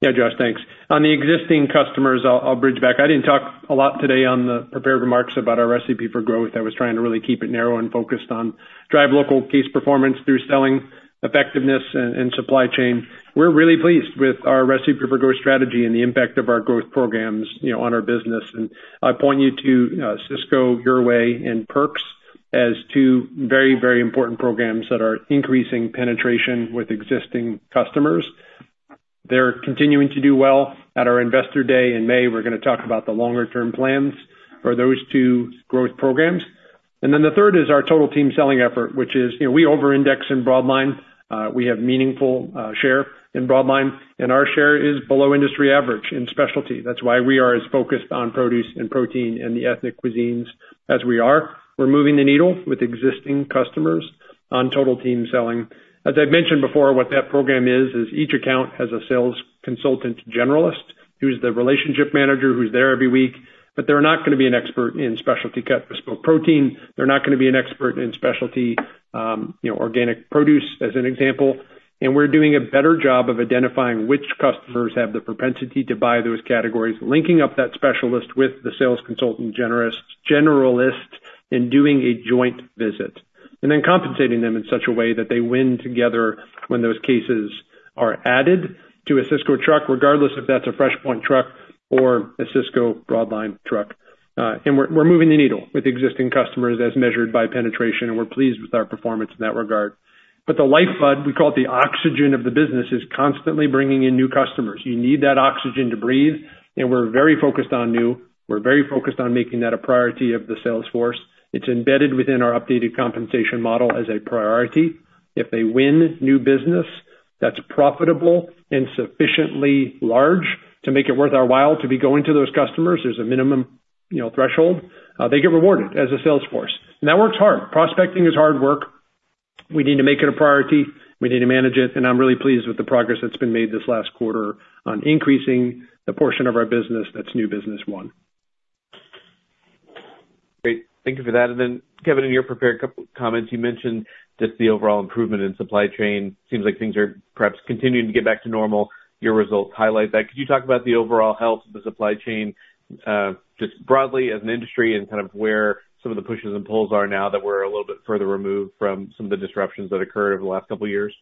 Yeah, Josh, thanks. On the existing customers, I'll bridge back. I didn't talk a lot today on the prepared remarks about our Recipe for Growth. I was trying to really keep it narrow and focused on drive local case performance through selling effectiveness and supply chain. We're really pleased with our Recipe for Growth strategy and the impact of our growth programs, you know, on our business. And I point you to Sysco Your Way and Perks as two very, very important programs that are increasing penetration with existing customers. They're continuing to do well. At our Investor Day in May, we're gonna talk about the longer-term plans for those two growth programs. And then the third is our Total Team Selling effort, which is we over index in Broadline. We have a meaningful share in Broadline, and our share is below the industry average in specialty. That's why we are as focused on produce and protein and the ethnic cuisines as we are. We're moving the needle with existing customers on Total Team Selling. As I've mentioned before, what that program is, is each account has a sales consultant generalist, who's the relationship manager, who's there every week, but they're not gonna be an expert in specialty cut bespoke protein. They're not gonna be an expert in specialty organic produce, as an example. And we're doing a better job of identifying which customers have the propensity to buy those categories, linking up that specialist with the sales consultant generalist, and doing a joint visit, and then compensating them in such a way that they win together when those cases are added to a Sysco truck, regardless if that's a FreshPoint truck or a Sysco broadline truck. And we're moving the needle with existing customers as measured by penetration, and we're pleased with our performance in that regard. But the lifeblood, we call it the oxygen of the business, is constantly bringing in new customers. You need that oxygen to breathe, and we're very focused on new. We're very focused on making that a priority of the sales force. It's embedded within our updated compensation model as a priority. If they win new business that's profitable and sufficiently large to make it worth our while to be going to those customers, there's a minimum, you know, threshold, they get rewarded as a sales force. And that works hard. Prospecting is hard work. We need to make it a priority. We need to manage it, and I'm really pleased with the progress that's been made this last quarter on increasing the portion of our business that's new business won. Great. Thank you for that. Then, Kevin, in your prepared comments, you mentioned just the overall improvement in supply chain. Seems like things are perhaps continuing to get back to normal. Your results highlight that. Could you talk about the overall health of the supply chain, just broadly as an industry and kind of where some of the pushes and pulls are now that we're a little bit further removed from some of the disruptions that occurred over the last couple years?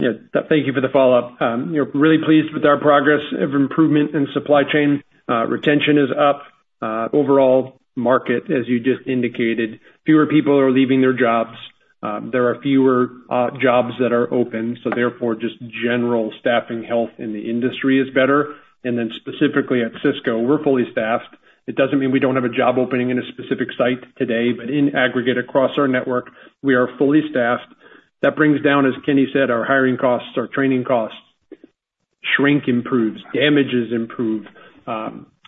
Yeah, thank you for the follow-up. We're really pleased with our progress of improvement in supply chain. Retention is up. Overall market, as you just indicated, fewer people are leaving their jobs. There are fewer jobs that are open, so therefore, just general staffing health in the industry is better. And then specifically at Sysco, we're fully staffed. It doesn't mean we don't have a job opening in a specific site today, but in aggregate, across our network, we are fully staffed. That brings down, as Kenny said, our hiring costs, our training costs. Shrink improves, damages improve,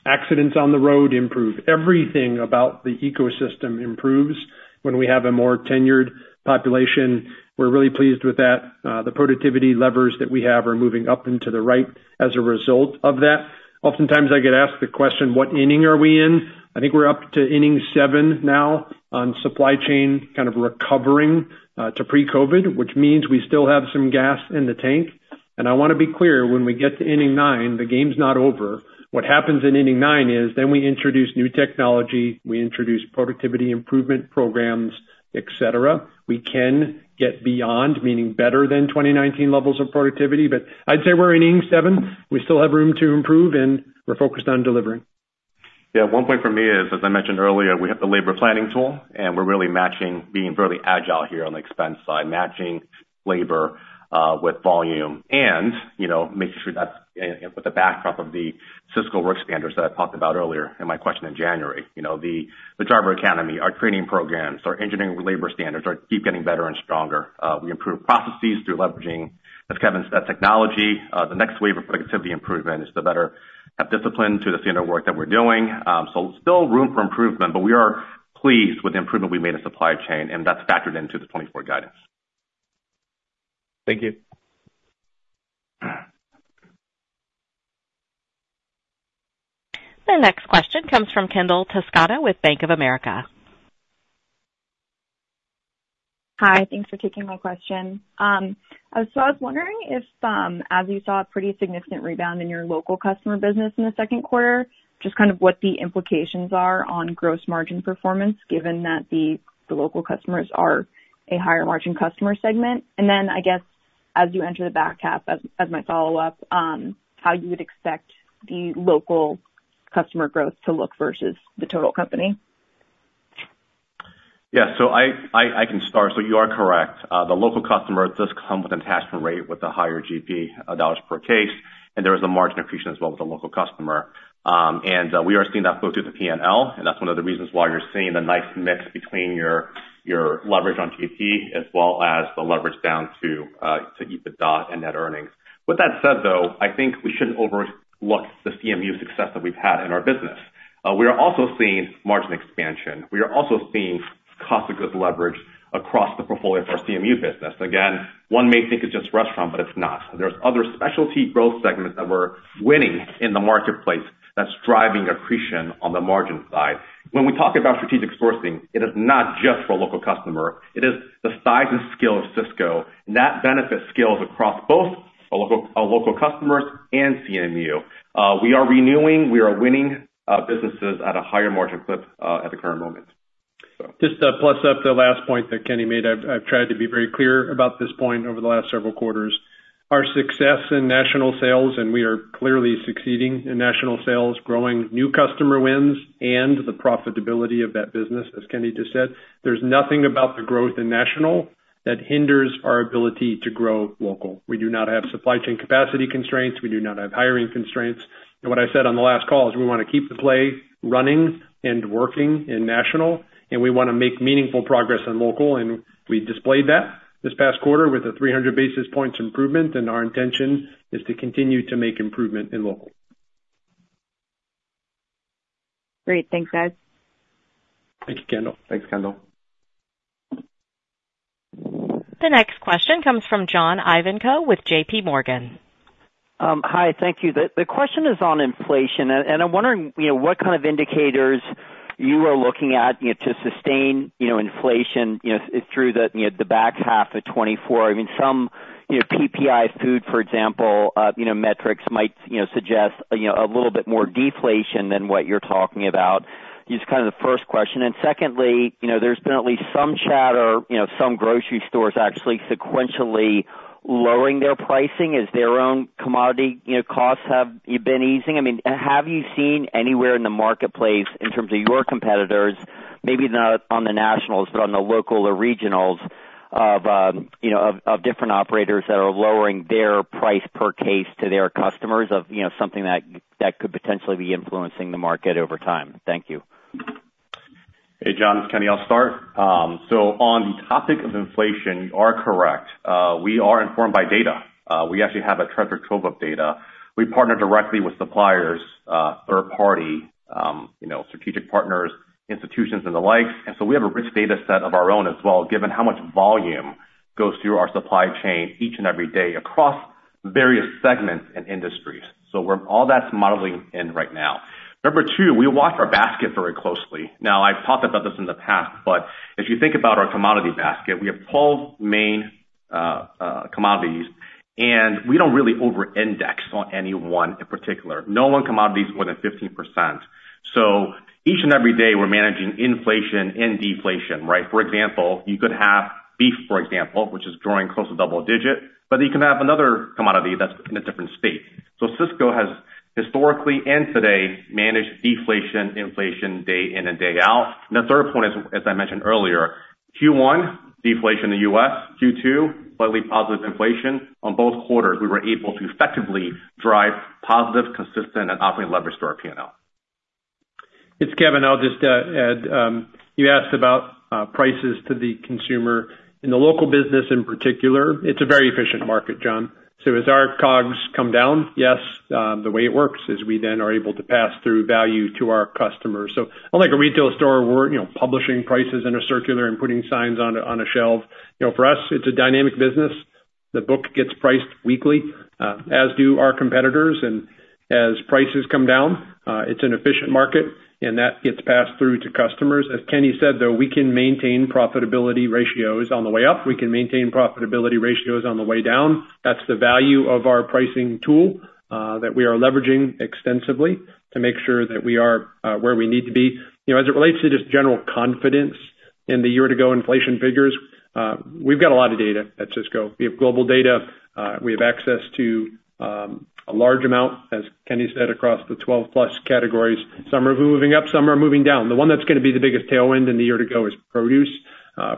accidents on the road improve. Everything about the ecosystem improves when we have a more tenured population. We're really pleased with that. The productivity levers that we have are moving up and to the right as a result of that. Oftentimes, I get asked the question, "What inning are we in?" I think we're up to inning seven now on supply chain, kind of recovering, to pre-COVID, which means we still have some gas in the tank. And I wanna be clear, when we get to inning nine, the game's not over. What happens in inning nine is then we introduce new technology, we introduce productivity improvement programs, et cetera. We can get beyond, meaning better than 2019 levels of productivity, but I'd say we're in inning seven. We still have room to improve, and we're focused on delivering. One point for me is, as I mentioned earlier, we have the labor planning tool, and we're really matching, being fairly agile here on the expense side, matching labor with volume. Making sure that's with the backdrop of the Sysco work standards that I talked about earlier in my question in January. The Driver Academy, our training programs, our engineering labor standards are keep getting better and stronger. We improve processes through leveraging, as Kevin said, technology. The next wave of productivity improvement is to better have discipline to the standard of work that we're doing. So still room for improvement, but we are pleased with the improvement we made in supply chain, and that's factored into the 2024 guidance. Thank you. The next question comes from Kendall Toscano with Bank of America. Hi, thanks for taking my question. So I was wondering if, as you saw a pretty significant rebound in your local customer business in the second quarter, just kind of what the implications are on gross margin performance, given that the local customers are a higher margin customer segment. And then, I guess, as you enter the back half, as my follow-up, how you would expect the local customer growth to look versus the total company? Yeah. So I can start. So you are correct. The local customer does come with an attachment rate with a higher GP dollars per case, and there is a margin accretion as well with the local customer. And we are seeing that flow through the P&L, and that's one of the reasons why you're seeing a nice mix between your leverage on GP as well as the leverage down to EBITDA and net earnings. With that said, though, I think we shouldn't overlook the CMU success that we've had in our business. We are also seeing margin expansion. We are also seeing cost of goods leverage across the portfolio for our CMU business. Again, one may think it's just restaurant, but it's not. There's other specialty growth segments that we're winning in the marketplace that's driving accretion on the margin side. When we talk about strategic sourcing, it is not just for local customer, it is the size and scale of Sysco, and that benefit scales across both our local, our local customers and CMU. We are renewing, we are winning, businesses at a higher margin clip, at the current moment, so. Just to plus up the last point that Kenny made, I've, I've tried to be very clear about this point over the last several quarters. Our success in national sales, and we are clearly succeeding in national sales, growing new customer wins and the profitability of that business, as Kenny just said, there's nothing about the growth in national that hinders our ability to grow local. We do not have supply chain capacity constraints. We do not have hiring constraints. And what I said on the last call is we wanna keep the play running and working in national, and we wanna make meaningful progress in local, and we displayed that this past quarter with a 300 basis points improvement, and our intention is to continue to make improvement in local. Great. Thanks, guys. Thank you, Kendall. Thanks, Kendall. The next question comes from John Ivankoe with JPMorgan. Hi, thank you. The question is on inflation, and I'm wondering, you know, what kind of indicators you are looking at, you know, to sustain, you know, inflation, you know, through the, you know, the back half of 2024. I mean, some, you know, PPI food, for example, metrics might, you know, suggest, you know, a little bit more deflation than what you're talking about. Just kind of the first question. And secondly, you know, there's been at least some chatter, you know, some grocery stores actually sequentially lowering their pricing as their own commodity, you know, costs have been easing. Have you seen anywhere in the marketplace, in terms of your competitors, maybe not on the nationals, but on the local or regionals, of, you know, of different operators that are lowering their price per case to their customers of, you know, something that could potentially be influencing the market over time? Thank you. Hey, John, it's Kenny, I'll start. So on the topic of inflation, you are correct. We are informed by data. We actually have a treasure trove of data. We partner directly with suppliers, third party, you know, strategic partners, institutions, and the like. And so we have a rich data set of our own as well, given how much volume goes through our supply chain each and every day across various segments and industries. So we're all that's modeling in right now. Number two, we watch our basket very closely. Now, I've talked about this in the past, but if you think about our commodity basket, we have 12 main commodities, and we don't really over-index on any one in particular. No one commodity is more than 15%. So each and every day, we're managing inflation and deflation, right? For example, you could have beef, for example, which is growing close to double digit, but you can have another commodity that's in a different state. Sysco has historically, and today, managed deflation, inflation, day in and day out. The third point is, as I mentioned earlier, Q1, deflation in the U.S., Q2, slightly positive inflation. On both quarters, we were able to effectively drive positive, consistent, and operating leverage to our P&L. It's Kevin. I'll just add, you asked about prices to the consumer. In the local business, in particular, it's a very efficient market, John. So as our COGS come down, yes, the way it works is we then are able to pass through value to our customers. So unlike a retail store, we're, you know, publishing prices in a circular and putting signs on a shelf. You know, for us, it's a dynamic business. The book gets priced weekly, as do our competitors. And as prices come down, it's an efficient market, and that gets passed through to customers. As Kenny said, though, we can maintain profitability ratios on the way up. We can maintain profitability ratios on the way down. That's the value of our pricing tool, that we are leveraging extensively to make sure that we are, where we need to be. You know, as it relates to just general confidence in the year-to-go inflation figures, we've got a lot of data at Sysco. We have global data. We have access to, a large amount, as Kenny said, across the 12+ categories. Some are moving up, some are moving down. The one that's gonna be the biggest tailwind in the year to go is produce.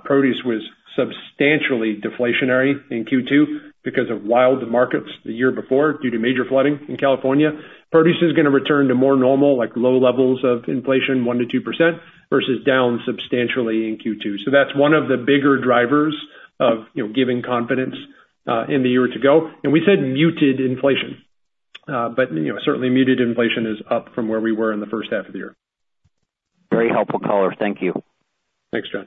Produce was substantially deflationary in Q2 because of wild markets the year before, due to major flooding in California. Produce is gonna return to more normal, like, low levels of inflation, 1%-2%, versus down substantially in Q2. So that's one of the bigger drivers of, you know, giving confidence in the year to go. And we said muted inflation. But, you know, certainly muted inflation is up from where we were in the first half of the year. Very helpful color. Thank you. Thanks, John.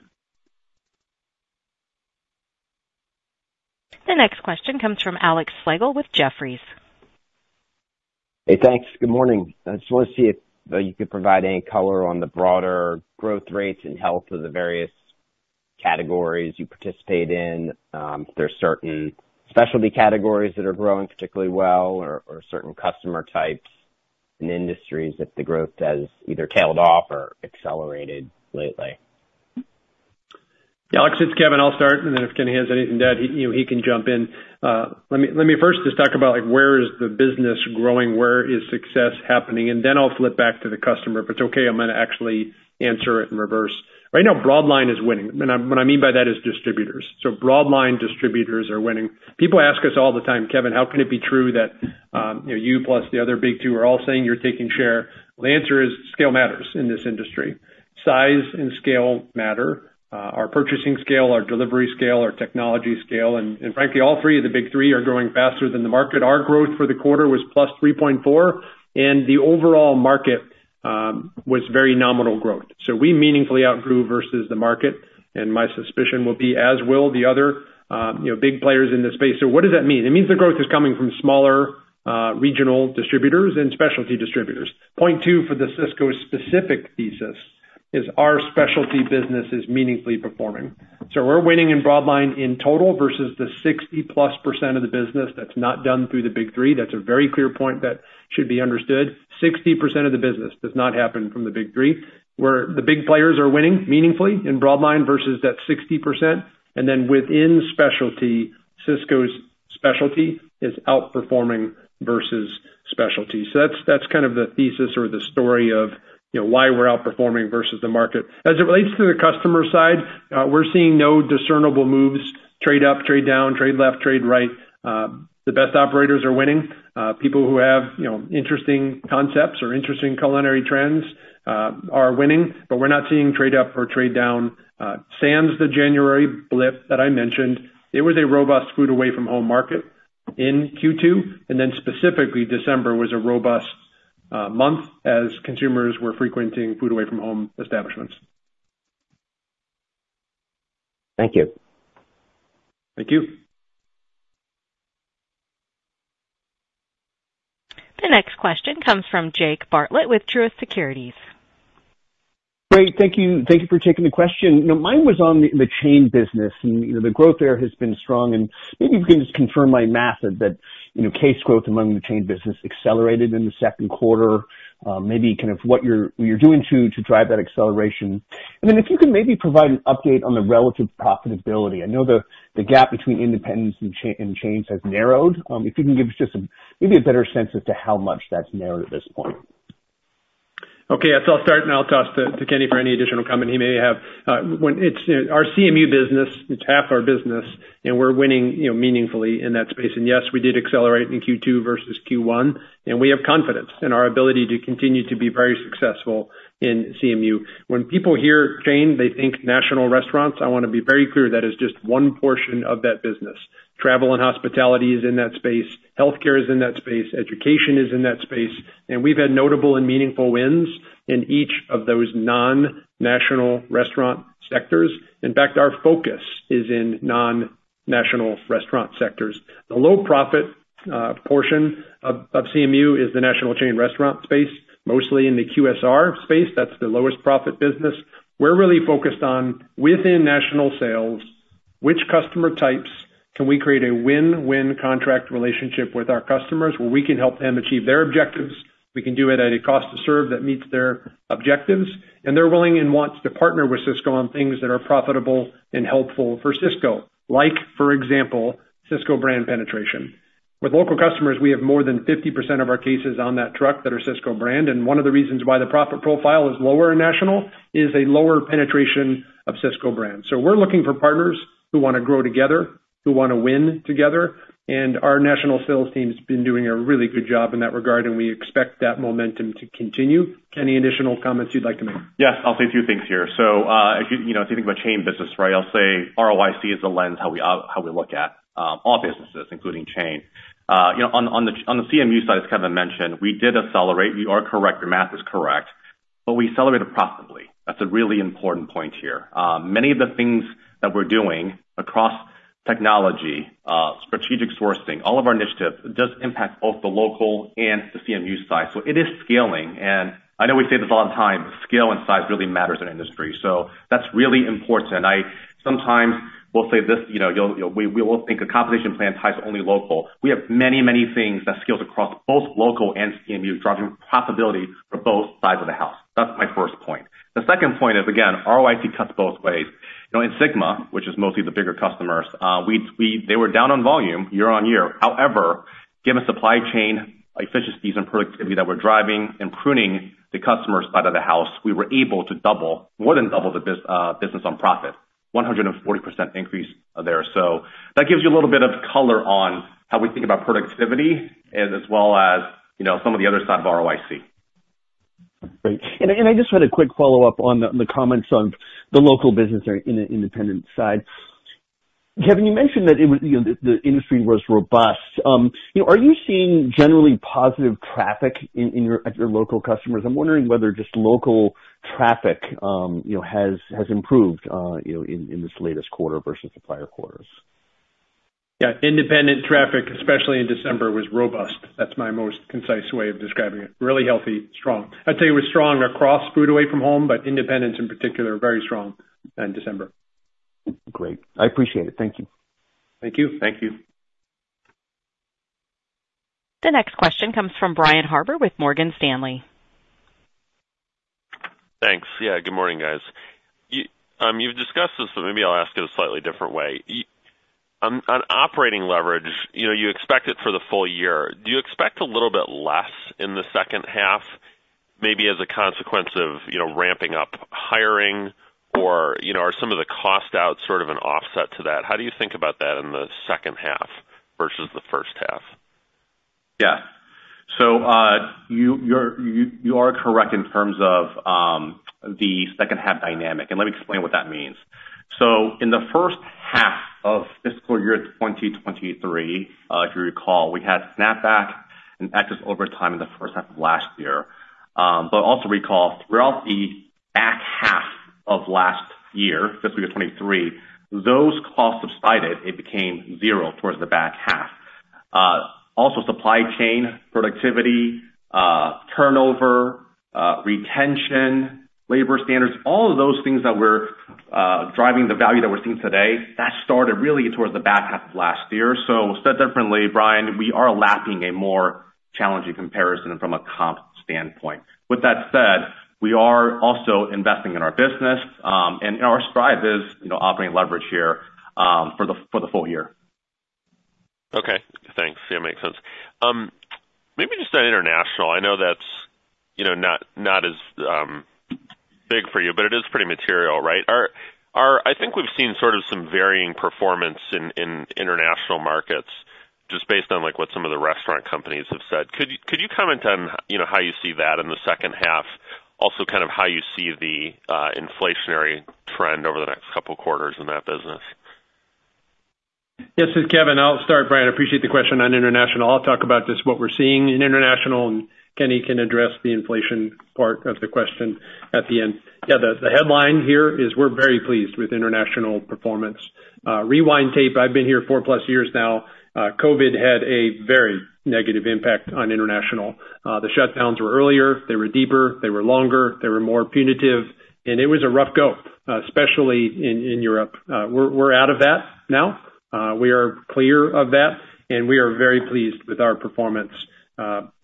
The next question comes from Alex Slagle with Jefferies. Hey, thanks. Good morning. I just want to see if you could provide any color on the broader growth rates and health of the various categories you participate in, if there's certain specialty categories that are growing particularly well or, or certain customer types and industries that the growth has either tailed off or accelerated lately. Alex, it's Kevin. I'll start, and then if Kenny has anything to add, he can jump in. Let me first just talk about like, where is the business growing, where is success happening? And then I'll flip back to the customer. If it's okay, I'm gonna actually answer it in reverse. Right now, Broadline is winning, and what I mean by that is distributors. So Broadline distributors are winning. People ask us all the time, "Kevin, how can it be true that, you know, you plus the other big two are all saying you're taking share?" Well, the answer is scale matters in this industry. Size and scale matter. Our purchasing scale, our delivery scale, our technology scale, and, and frankly, all three of the big three are growing faster than the market. Our growth for the quarter was +3.4, and the overall market was very nominal growth. So we meaningfully outgrew versus the market, and my suspicion will be, as will the other, you know, big players in this space. So what does that mean? It means the growth is coming from smaller, regional distributors and specialty distributors. Point 2, for the Sysco-specific thesis is our specialty business is meaningfully performing. So we're winning in Broadline in total versus the 60+% of the business that's not done through the big three. That's a very clear point that should be understood. 60% of the business does not happen from the big three, where the big players are winning meaningfully in Broadline versus that 60%. And then within specialty, Sysco's specialty is outperforming versus specialty. So that's, that's kind of the thesis or the story of, you know, why we're outperforming versus the market. As it relates to the customer side, we're seeing no discernible moves, trade up, trade down, trade left, trade right. The best operators are winning. People who have, you know, interesting concepts or interesting culinary trends, are winning, but we're not seeing trade up or trade down. Sans the January blip that I mentioned, it was a robust food away from home market in Q2, and then specifically, December was a robust month as consumers were frequenting food away from home establishments. Thank you. Thank you. The next question comes from Jake Bartlett with Truist Securities. Great, thank you. Thank you for taking the question. You know, mine was on the chain business and, you know, the growth there has been strong, and maybe you can just confirm my math that, you know, case growth among the chain business accelerated in the second quarter. Maybe kind of what you're doing to drive that acceleration. And then if you can maybe provide an update on the relative profitability. I know the gap between independents and chains has narrowed. If you can give us just maybe a better sense as to how much that's narrowed at this point. Okay, yeah, so I'll start, and I'll toss to Kenny for any additional comment he may have. When it's our CMU business, it's half our business, and we're winning, you know, meaningfully in that space. And yes, we did accelerate in Q2 versus Q1, and we have confidence in our ability to continue to be very successful in CMU. When people hear chain, they think national restaurants. I wanna be very clear, that is just one portion of that business. Travel and hospitality is in that space, healthcare is in that space, education is in that space, and we've had notable and meaningful wins in each of those non-national restaurant sectors. In fact, our focus is in non-national restaurant sectors. The low profit portion of CMU is the national chain restaurant space, mostly in the QSR space. That's the lowest profit business. We're really focused on, within national sales, which customer types can we create a win-win contract relationship with our customers, where we can help them achieve their objectives, we can do it at a cost to serve that meets their objectives, and they're willing and wants to partner with Sysco on things that are profitable and helpful for Sysco, like, for example, Sysco Brand penetration. With local customers, we have more than 50% of our cases on that truck that are Sysco Brand, and one of the reasons why the profit profile is lower in national is a lower penetration of Sysco Brand. So we're looking for partners who wanna grow together, who wanna win together, and our national sales team's been doing a really good job in that regard, and we expect that momentum to continue. Kenny, additional comments you'd like to make? Yes, I'll say a few things here. So, if you, you know, if you think about chain business, right, I'll say ROIC is the lens, how we look at all businesses, including chain. You know, on the CMU side, as Kevin mentioned, we did accelerate. You are correct, your math is correct, but we accelerated profitably. That's a really important point here. Many of the things that we're doing across technology, strategic sourcing, all of our initiatives, does impact both the local and the CMU side. So it is scaling, and I know we say this all the time, scale and size really matters in our industry. So that's really important. I sometimes will say this, you know, we will think a compensation plan ties only local. We have many, many things that scales across both local and CMU, driving profitability for both sides of the house. That's my first point. The second point is, again, ROIC cuts both ways. You know, in SYGMA, which is mostly the bigger customers, they were down on volume year-over-year. However, given supply chain efficiencies and productivity that we're driving and pruning the customer side of the house, we were able to double, more than double the business on profit, 140% increase there. So that gives you a little bit of color on how we think about productivity as well as, you know, some of the other side of ROIC. Great. And I just had a quick follow-up on the comments on the local business or in the independent side. Kevin, you mentioned that it was, you know, the industry was robust. You know, are you seeing generally positive traffic in your at your local customers? I'm wondering whether just local traffic, you know, has improved, you know, in this latest quarter versus the prior quarters. Yeah, independent traffic, especially in December, was robust. That's my most concise way of describing it. Really healthy, strong. I'd say it was strong across food away from home, but independents in particular, very strong in December. Great. I appreciate it. Thank you. Thank you. Thank you. The next question comes from Brian Harbour with Morgan Stanley. Thanks. Yeah, good morning, guys. You've discussed this, but maybe I'll ask it a slightly different way. On operating leverage, you know, you expect it for the full year. Do you expect a little bit less in the second half, maybe as a consequence of, you know, ramping up hiring? Or, you know, are some of the cost outs sort of an offset to that? How do you think about that in the second half versus the first half? Yeah. So, you are correct in terms of the second half dynamic, and let me explain what that means. So in the first half of fiscal year 2023, if you recall, we had snapback and excess overtime in the first half of last year. But also recall, throughout the back half of last year, fiscal year 2023, those costs subsided. It became zero towards the back half. Also, supply chain productivity, turnover, retention, labor standards, all of those things that we're driving the value that we're seeing today, that started really towards the back half of last year. So said differently, Brian, we are lapping a more challenging comparison from a comp standpoint. With that said, we are also investing in our business, and our strive is, you know, operating leverage here, for the full year. Okay, thanks. Yeah, makes sense. Maybe just on international, I know that's, you know, not as big for you, but it is pretty material, right? I think we've seen sort of some varying performance in international markets, just based on, like, what some of the restaurant companies have said. Could you comment on, you know, how you see that in the second half? Also, kind of how you see the inflationary trend over the next couple of quarters in that business? Yes, this is Kevin. I'll start, Brian. I appreciate the question on international. I'll talk about just what we're seeing in international, and Kenny can address the inflation part of the question at the end. Yeah, the headline here is we're very pleased with international performance. Rewind tape, I've been here 4+ years now. COVID had a very negative impact on international. The shutdowns were earlier, they were deeper, they were longer, they were more punitive, and it was a rough go, especially in Europe. We're out of that now. We are clear of that, and we are very pleased with our performance.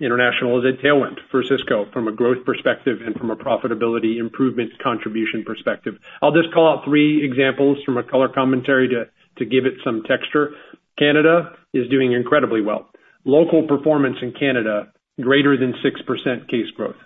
International is a tailwind for Sysco from a growth perspective and from a profitability improvement contribution perspective. I'll just call out three examples from a color commentary to give it some texture. Canada is doing incredibly well. Local performance in Canada, greater than 6% case growth.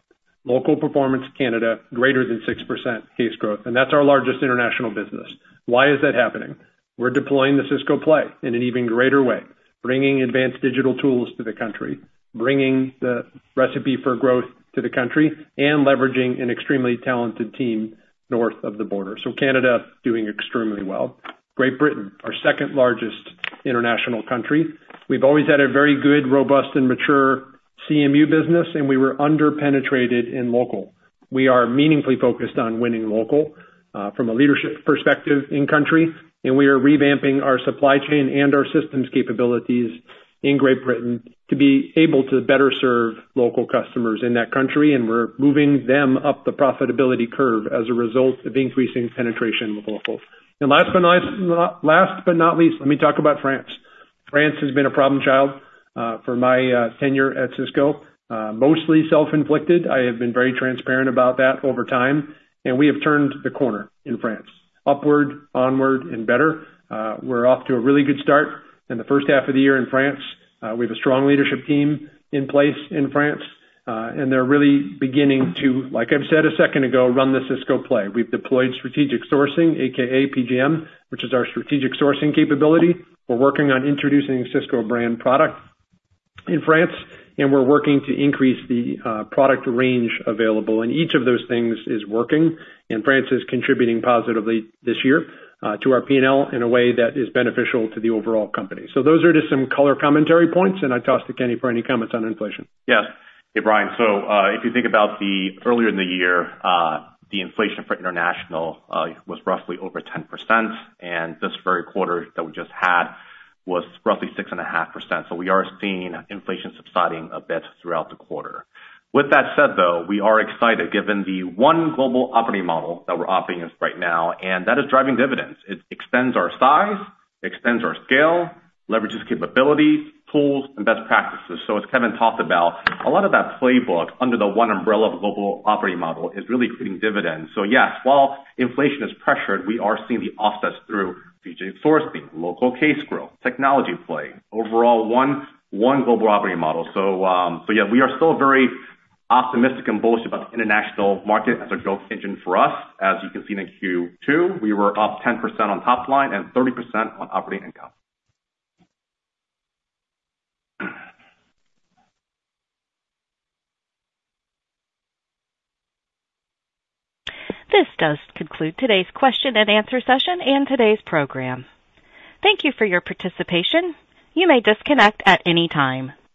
Local performance Canada, greater than 6% case growth, and that's our largest international business. Why is that happening? We're deploying the Sysco play in an even greater way, bringing advanced digital tools to the country, bringing the Recipe for Growth to the country, and leveraging an extremely talented team north of the border. So Canada doing extremely well. Great Britain, our second largest international country. We've always had a very good, robust, and mature CMU business, and we were under-penetrated in local. We are meaningfully focused on winning local, from a leadership perspective in country, and we are revamping our supply chain and our systems capabilities in Great Britain to be able to better serve local customers in that country, and we're moving them up the profitability curve as a result of increasing penetration with locals. And last but not least, let me talk about France. France has been a problem child, for my, tenure at Sysco, mostly self-inflicted. I have been very transparent about that over time, and we have turned the corner in France, upward, onward, and better. We're off to a really good start in the first half of the year in France. We have a strong leadership team in place in France, and they're really beginning to, like I've said a second ago, run the Sysco play. We've deployed strategic sourcing, AKA PGM, which is our strategic sourcing capability. We're working on introducing Sysco brand product in France, and we're working to increase the product range available. And each of those things is working, and France is contributing positively this year to our P&L in a way that is beneficial to the overall company. So those are just some color commentary points, and I'd toss to Kenny for any comments on inflation. Yes. Hey, Brian. So, if you think about the earlier in the year, the inflation for international was roughly over 10%, and this very quarter that we just had was roughly 6.5%. So we are seeing inflation subsiding a bit throughout the quarter. With that said, though, we are excited given the one global operating model that we're offering right now, and that is driving dividends. It extends our size, extends our scale, leverages capabilities, tools, and best practices. So as Kevin talked about, a lot of that playbook under the one umbrella of a global operating model is really creating dividends. So yes, while inflation is pressured, we are seeing the offsets through sourcing, local case growth, technology play, overall one, one global operating model. We are still very optimistic and bullish about the international market as a growth engine for us. As you can see in Q2, we were up 10% on top line and 30% on operating income. This does conclude today's question and answer session and today's program. Thank you for your participation. You may disconnect at any time.